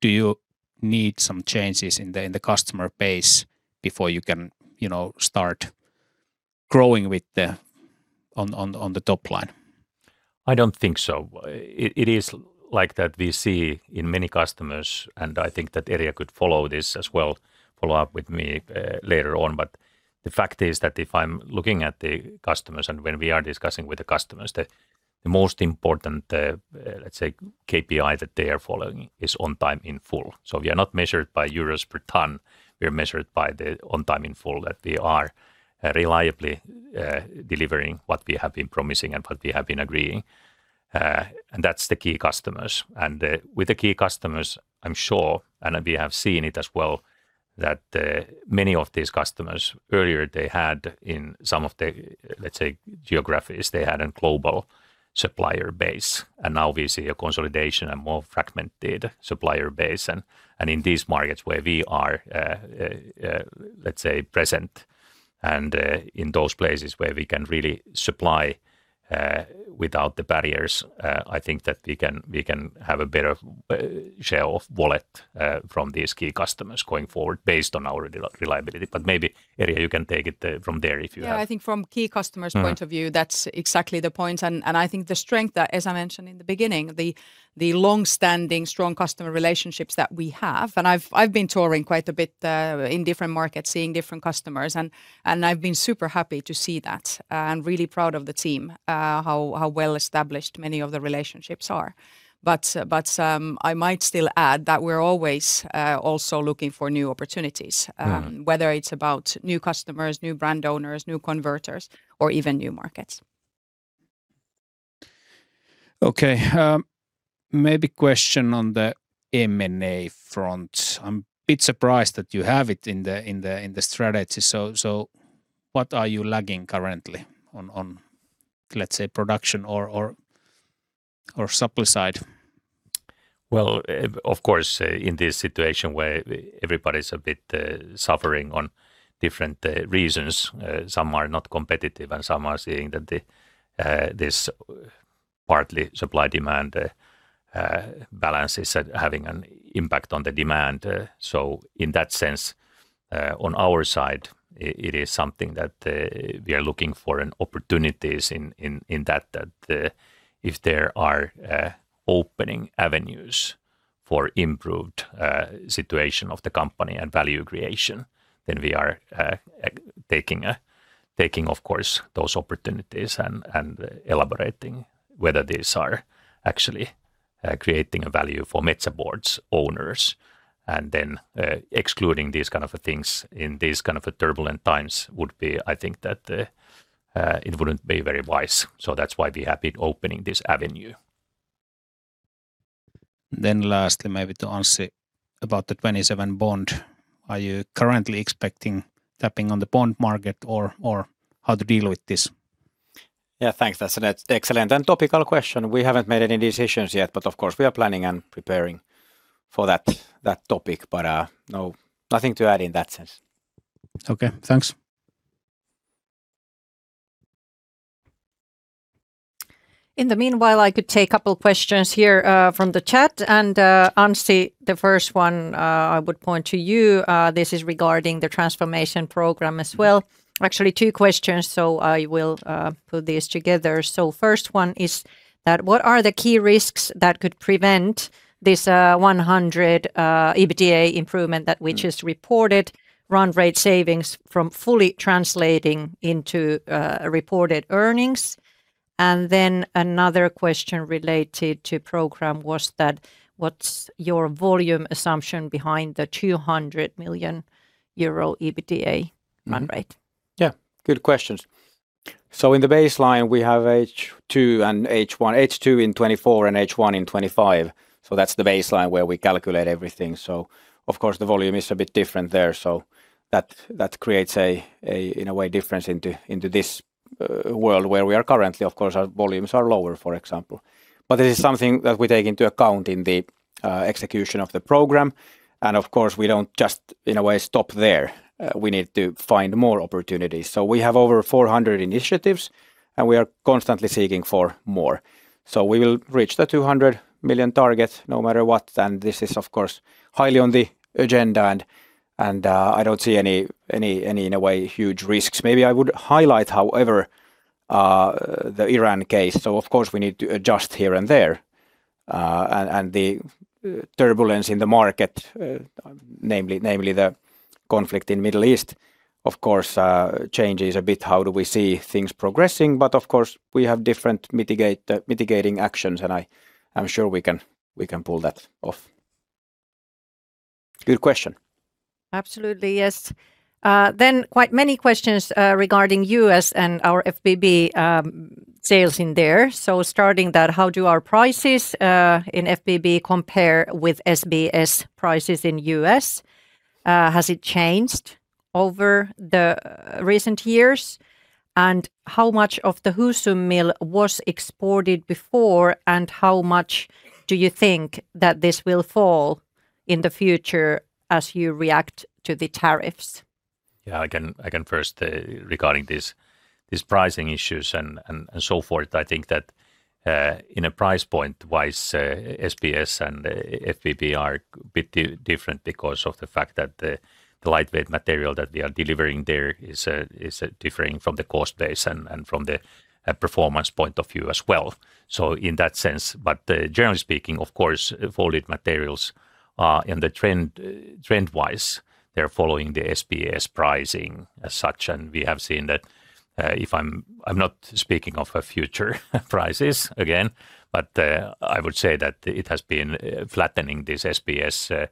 Do you need some changes in the customer base before you can, you know, start growing on the top line? I don't think so. It is like that. We see in many customers, and I think that Erja could follow this as well, follow up with me later on. The fact is that if I'm looking at the customers and when we are discussing with the customers, the most important, let's say KPI that they are following is on time, in full. We are not measured by EUR per ton. We are measured by the on time, in full, that we are reliably delivering what we have been promising and what we have been agreeing. And that's the key customers. With the key customers, I'm sure, and we have seen it as well, that many of these customers earlier they had in some of the, let's say, geographies, they had a global supplier base, and now we see a consolidation and more fragmented supplier base. In these markets where we are, let's say, present and in those places where we can really supply without the barriers, I think that we can have a better share of wallet from these key customers going forward based on our reliability. Maybe, Erja, you can take it from there if you have. Yeah. I think from key customers' point of view. Mm That's exactly the point. I think the strength that, as I mentioned in the beginning, the long-standing strong customer relationships that we have. I've been touring quite a bit in different markets seeing different customers, and I've been super happy to see that and really proud of the team how well-established many of the relationships are. I might still add that we're always also looking for new opportunities. Mm whether it's about new customers, new brand owners, new converters, or even new markets. Maybe question on the M&A front. I'm a bit surprised that you have it in the strategy. What are you lagging currently on, let's say, production or supply side? Of course, in this situation where everybody's a bit suffering on different reasons, some are not competitive and some are seeing that the this partly supply-demand balance is having an impact on the demand. In that sense, on our side, it is something that we are looking for an opportunities in, in that if there are opening avenues for improved situation of the company and value creation, then we are taking, of course, those opportunities and elaborating whether these are actually creating a value for Metsä Board's owners. Excluding these kind of things in these kind of a turbulent times would be, I think, that it wouldn't be very wise. That's why we are a bit opening this avenue. Lastly, maybe to Anssi about the 2027 bond. Are you currently expecting tapping on the bond market or how to deal with this? Yeah, thanks. That is an excellent and topical question. We haven't made any decisions yet, but of course we are planning and preparing for that topic. No, nothing to add in that sense. Okay, thanks. In the meanwhile, I could take a couple questions here from the chat. Anssi, the first one, I would point to you. This is regarding the transformation program as well. Actually, two questions, I will put these together. First one is that what are the key risks that could prevent this 100 EBITDA improvement that we just reported run rate savings from fully translating into reported earnings? Then another question related to program was that what's your volume assumption behind the 200 million euro EBITDA run rate? Yeah, good questions. In the baseline, we have second half and first half. Second half in 2024 and first half in 2025. That's the baseline where we calculate everything. Of course, the volume is a bit different there, that creates a, in a way, difference into this world where we are currently. Of course, our volumes are lower, for example. This is something that we take into account in the execution of the program, and of course, we don't just, in a way, stop there. We need to find more opportunities. We have over 400 initiatives, and we are constantly seeking for more. We will reach the 200 million target no matter what, and this is, of course, highly on the agenda, and I don't see any, in a way, huge risks. Maybe I would highlight, however, the Iran case. Of course, we need to adjust here and there, and the turbulence in the market, namely the conflict in Middle East, of course, changes a bit how do we see things progressing. Of course, we have different mitigating actions, and I'm sure we can pull that off. Good question. Absolutely, yes. Then quite many questions regarding U.S. and our FBB sales in there. Starting that how do our prices in FBB compare with SBS prices in U.S.? Has it changed over the recent years? How much of the Husum mill was exported before, and how much do you think that this will fall in the future as you react to the tariffs? Yeah, I can first regarding these pricing issues and so forth. I think that in a price point-wise, SBS and FBB are a bit different because of the fact that the lightweight material that they are delivering there is differing from the cost base and from the performance point of view as well. In that sense, but generally speaking, of course, folded materials are in the trend-wise. They're following the SBS pricing as such, and we have seen that, I'm not speaking of a future prices again, but, I would say that it has been flattening this SBS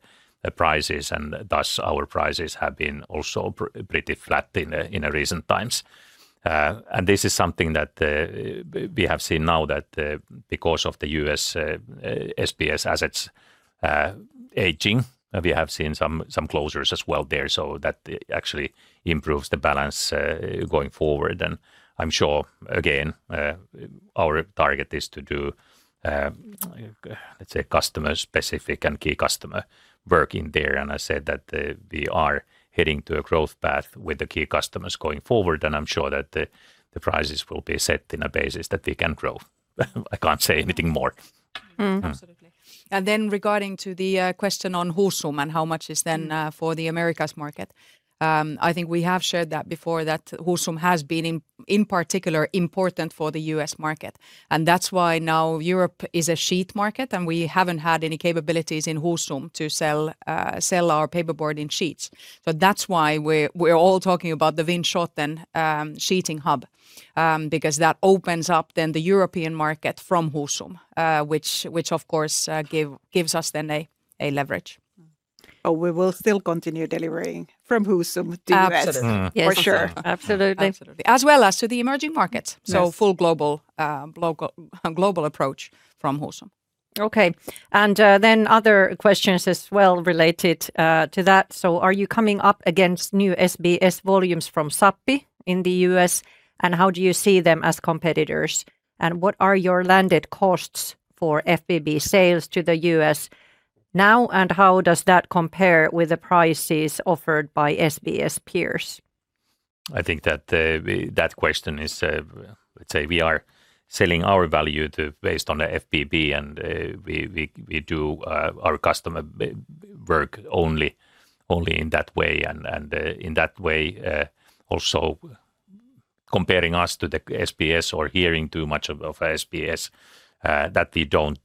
prices, and thus our prices have been also pretty flat in recent times. This is something that we have seen now that because of the U.S. SBS assets aging, we have seen some closures as well there. That actually improves the balance going forward. I'm sure again our target is to do let's say customer-specific and key customer working there. I said that we are heading to a growth path with the key customers going forward, and I'm sure that the prices will be set in a basis that they can grow. I can't say anything more. Mm-hmm. Absolutely. Regarding to the question on Husum and how much is then for the Americas market, I think we have shared that before that Husum has been in particular important for the U.S. market, and that's why now Europe is a sheet market and we haven't had any capabilities in Husum to sell our paperboard in sheets. That's why we're all talking about the Winschoten sheeting hub because that opens up then the European market from Husum, which of course gives us then a leverage. We will still continue delivering from Husum to U.S. Absolutely. Yeah. For sure. Absolutely. Absolutely. As well as to the emerging markets. Yes. Full global, local, global approach from Husum. Other questions as well related to that. Are you coming up against new SBS volumes from Sappi in the U.S.? How do you see them as competitors? What are your landed costs for FBB sales to the U.S. now, and how does that compare with the prices offered by SBS peers? I think that question is, let's say we are selling our value to based on the FBB, and we do our customer work only in that way. In that way, also comparing us to the SBS or hearing too much of SBS, that they don't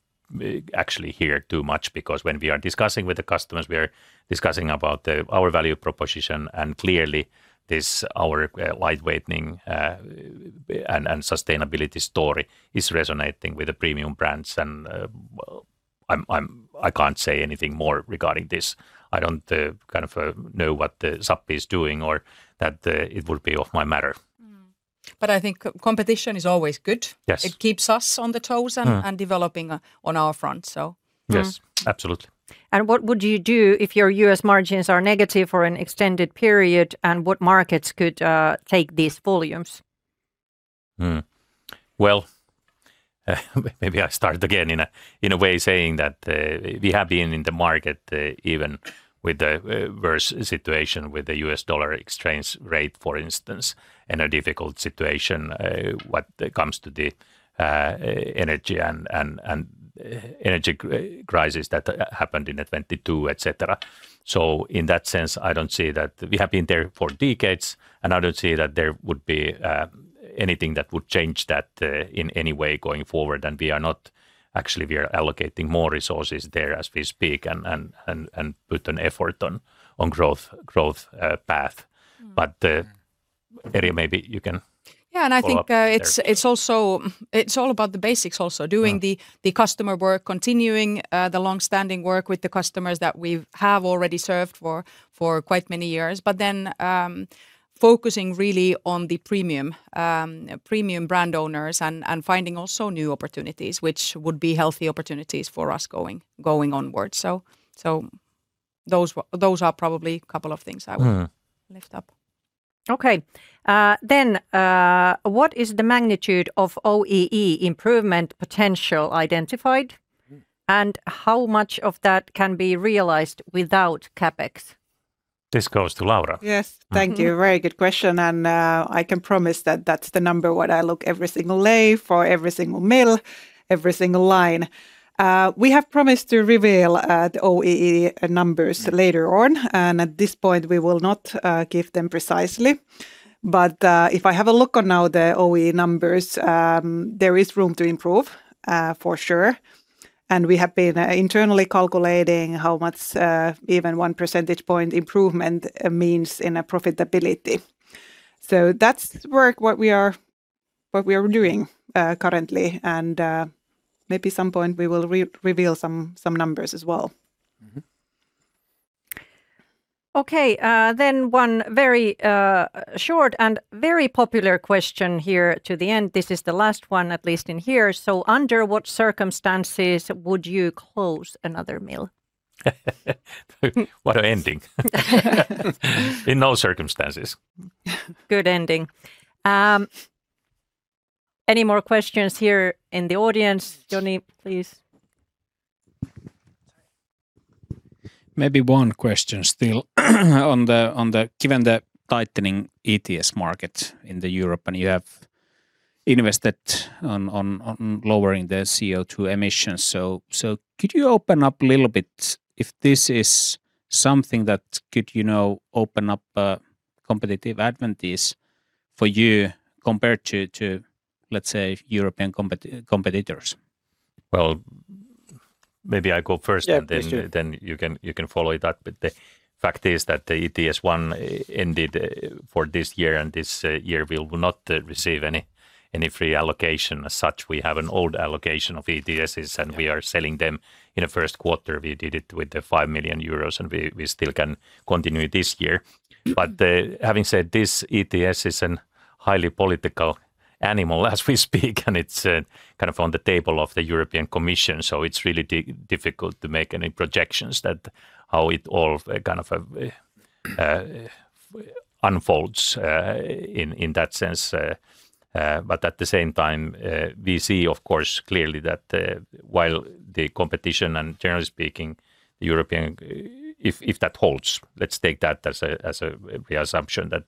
actually hear too much. When we are discussing with the customers, we are discussing about the, our value proposition, and clearly this, our lightweightening and sustainability story is resonating with the premium brands. Well, I can't say anything more regarding this. I don't kind of know what Sappi is doing, or that it would be off my matter. I think competition is always good. Yes. It keeps us on the toes. Mm Developing, on our front. Yes. Mm. Absolutely. What would you do if your US margins are negative for an extended period? What markets could take these volumes? Well, maybe I start again in a way saying that we have been in the market even with the worse situation with the U.S. dollar exchange rate, for instance, in a difficult situation when it comes to the energy crisis that happened in 2022, et cetera. In that sense, we have been there for decades, and I don't see that there would be anything that would change that in any way going forward. Actually, we are allocating more resources there as we speak and put an effort on growth path. Mm. Erja, maybe you can. Yeah Follow up there. I think, it's also, it's all about the basics also. Yeah. Doing the customer work, continuing the long-standing work with the customers that we've have already served for quite many years. Focusing really on the premium premium brand owners and finding also new opportunities, which would be healthy opportunities for us going onwards. Those are probably couple of things I would. Mm lift up. Okay. What is the magnitude of OEE improvement potential identified? Mm. How much of that can be realized without CapEx? This goes to Laura. Yes. Mm-hmm. Thank you. Very good question. I can promise that that's the number what I look every single day for every single mill, every single line. We have promised to reveal the OEE numbers later on. At this point, we will not give them precisely, but if I have a look on now the OEE numbers, there is room to improve for sure. We have been internally calculating how much even one percentage point improvement means in a profitability. That's work what we are doing currently. Maybe some point we will reveal some numbers as well. Mm-hmm. Okay. One very short and very popular question here to the end. This is the last one, at least in here. Under what circumstances would you close another mill? What an ending. In no circumstances. Good ending. Any more questions here in the audience? Joni, please. Maybe one question still. Given the tightening ETS market in Europe, and you have invested on lowering the CO2 emissions, could you open up a little bit if this is something that could, you know, open up a competitive advantage for you compared to, let's say, European competitors? Well, maybe I go first. Yeah, please do.... and then you can follow it up. The fact is that the ETS1 ended for this year. This year we will not receive any free allocation as such. We have an old allocation of ETSs- Yeah We are selling them in the first quarter. We did it with the 5 million euros, and we still can continue this year. Mm. Having said this, ETS is a highly political animal as we speak, and it's kind of on the table of the European Commission. It's really difficult to make any projections that how it all kind of unfolds in that sense. At the same time, we see of course clearly that while the competition, and generally speaking, European. If that holds, let's take that as a preassumption that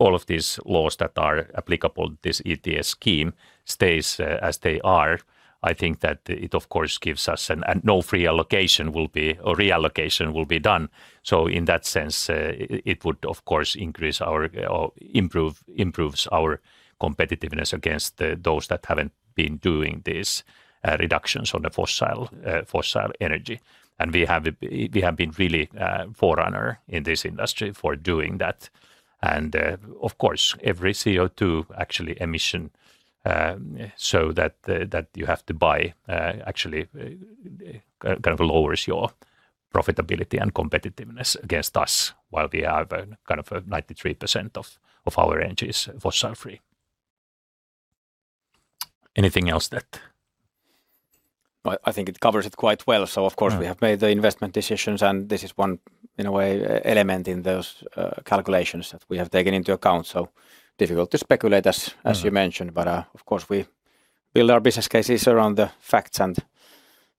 all of these laws that are applicable, this ETS scheme, stays as they are. I think that it of course gives us an. No free allocation will be, or reallocation will be done. In that sense, it would of course increase our, or improves our competitiveness against those that haven't been doing these reductions on the fossil energy. We have been really a forerunner in this industry for doing that. Of course, every CO2 actually emission, so that you have to buy, actually, kind of lowers profitability and competitiveness against us while we are kind of 93% of our energy is fossil-free. I think it covers it quite well. Yeah We have made the investment decisions, and this is one, in a way, element in those, calculations that we have taken into account. Difficult to speculate as you mentioned. Of course, we build our business cases around the facts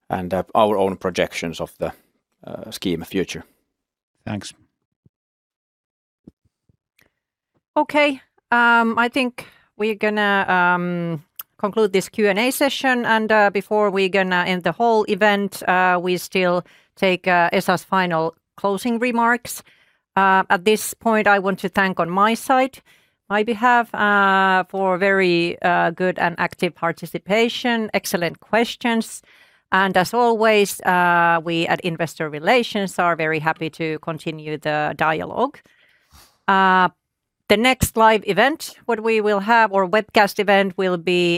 and our own projections of the scheme future. Thanks. Okay. I think we're gonna conclude this Q&A session and before we're gonna end the whole event, we still take Esa's final closing remarks. At this point, I want to thank on my side, my behalf, for very good and active participation, excellent questions, and as always, we at Investor Relations are very happy to continue the dialogue. The next live event, what we will have, or webcast event will be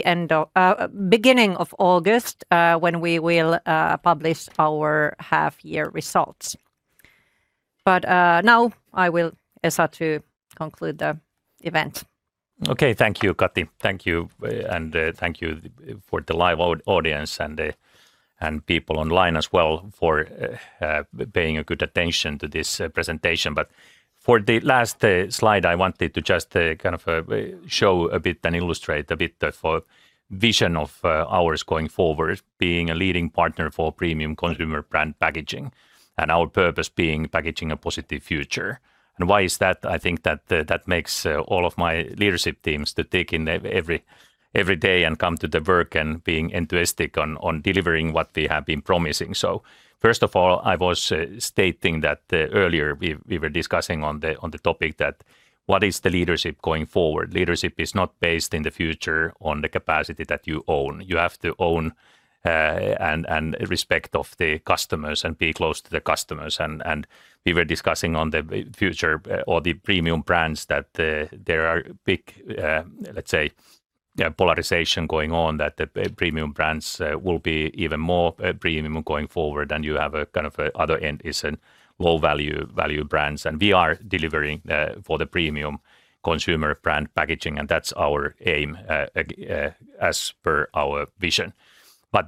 beginning of August, when we will publish our half-year results. Now I will Esa to conclude the event. Okay. Thank you, Katri. Thank you. Thank you for the live audience and the people online as well for paying good attention to this presentation. For the last slide, I wanted to just kind of show a bit and illustrate a bit the vision of ours going forward, being a leading partner for premium consumer brand packaging, and our purpose being packaging a positive future. Why is that? I think that makes all of my leadership teams to take in every day and come to the work and being enthusiastic on delivering what we have been promising. First of all, I was stating that earlier we were discussing on the topic that what is the leadership going forward. Leadership is not based in the future on the capacity that you own. You have to own, and respect of the customers and be close to the customers. We were discussing on the future or the premium brands that there are big, let's say, polarization going on, that the premium brands will be even more premium going forward. You have a kind of other end is in low-value, value brands, and we are delivering for the premium consumer brand packaging, and that's our aim as per our vision.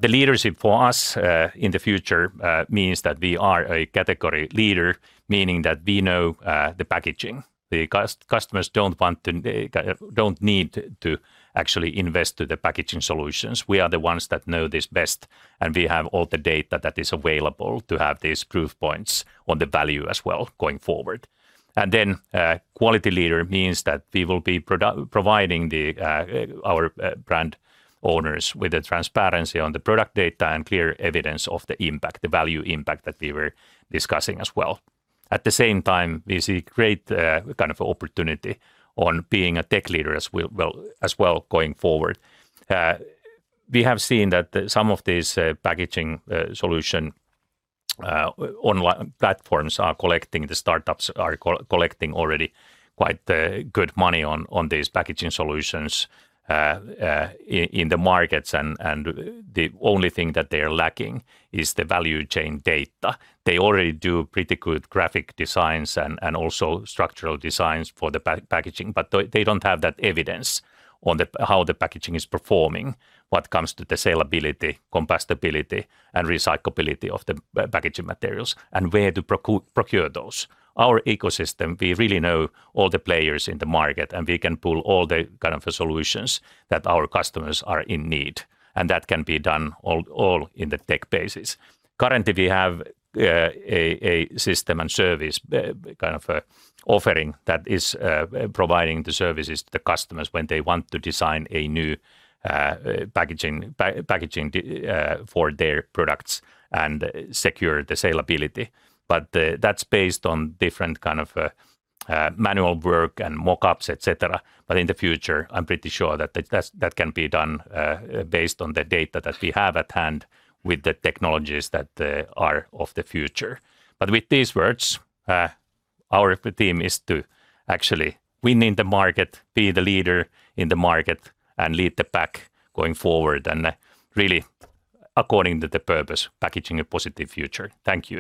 The leadership for us in the future means that we are a category leader, meaning that we know the packaging. Customers don't want to, don't need to actually invest to the packaging solutions. We are the ones that know this best, and we have all the data that is available to have these proof points on the value as well going forward. Quality leader means that we will be providing the our brand owners with the transparency on the product data and clear evidence of the impact, the value impact that we were discussing as well. At the same time, we see great kind of opportunity on being a tech leader as well going forward. We have seen that some of these packaging solution platforms are collecting, the startups are collecting already quite good money on these packaging solutions in the markets and the only thing that they are lacking is the value chain data. They already do pretty good graphic designs and also structural designs for the packaging, but they don't have that evidence on how the packaging is performing, what comes to the saleability, compostability, and recyclability of the packaging materials, and where to procure those. Our ecosystem, we really know all the players in the market, and we can pull all the kind of solutions that our customers are in need, and that can be done all in the tech basis. Currently, we have a system and service kind of offering that is providing the services to the customers when they want to design a new packaging for their products and secure the saleability. That's based on different kind of manual work and mock-ups, et cetera. In the future, I'm pretty sure that can be done based on the data that we have at hand with the technologies that are of the future. With these words, our theme is to actually win in the market, be the leader in the market, and Lead the Pack going forward, and really according to the purpose, packaging a positive future. Thank you.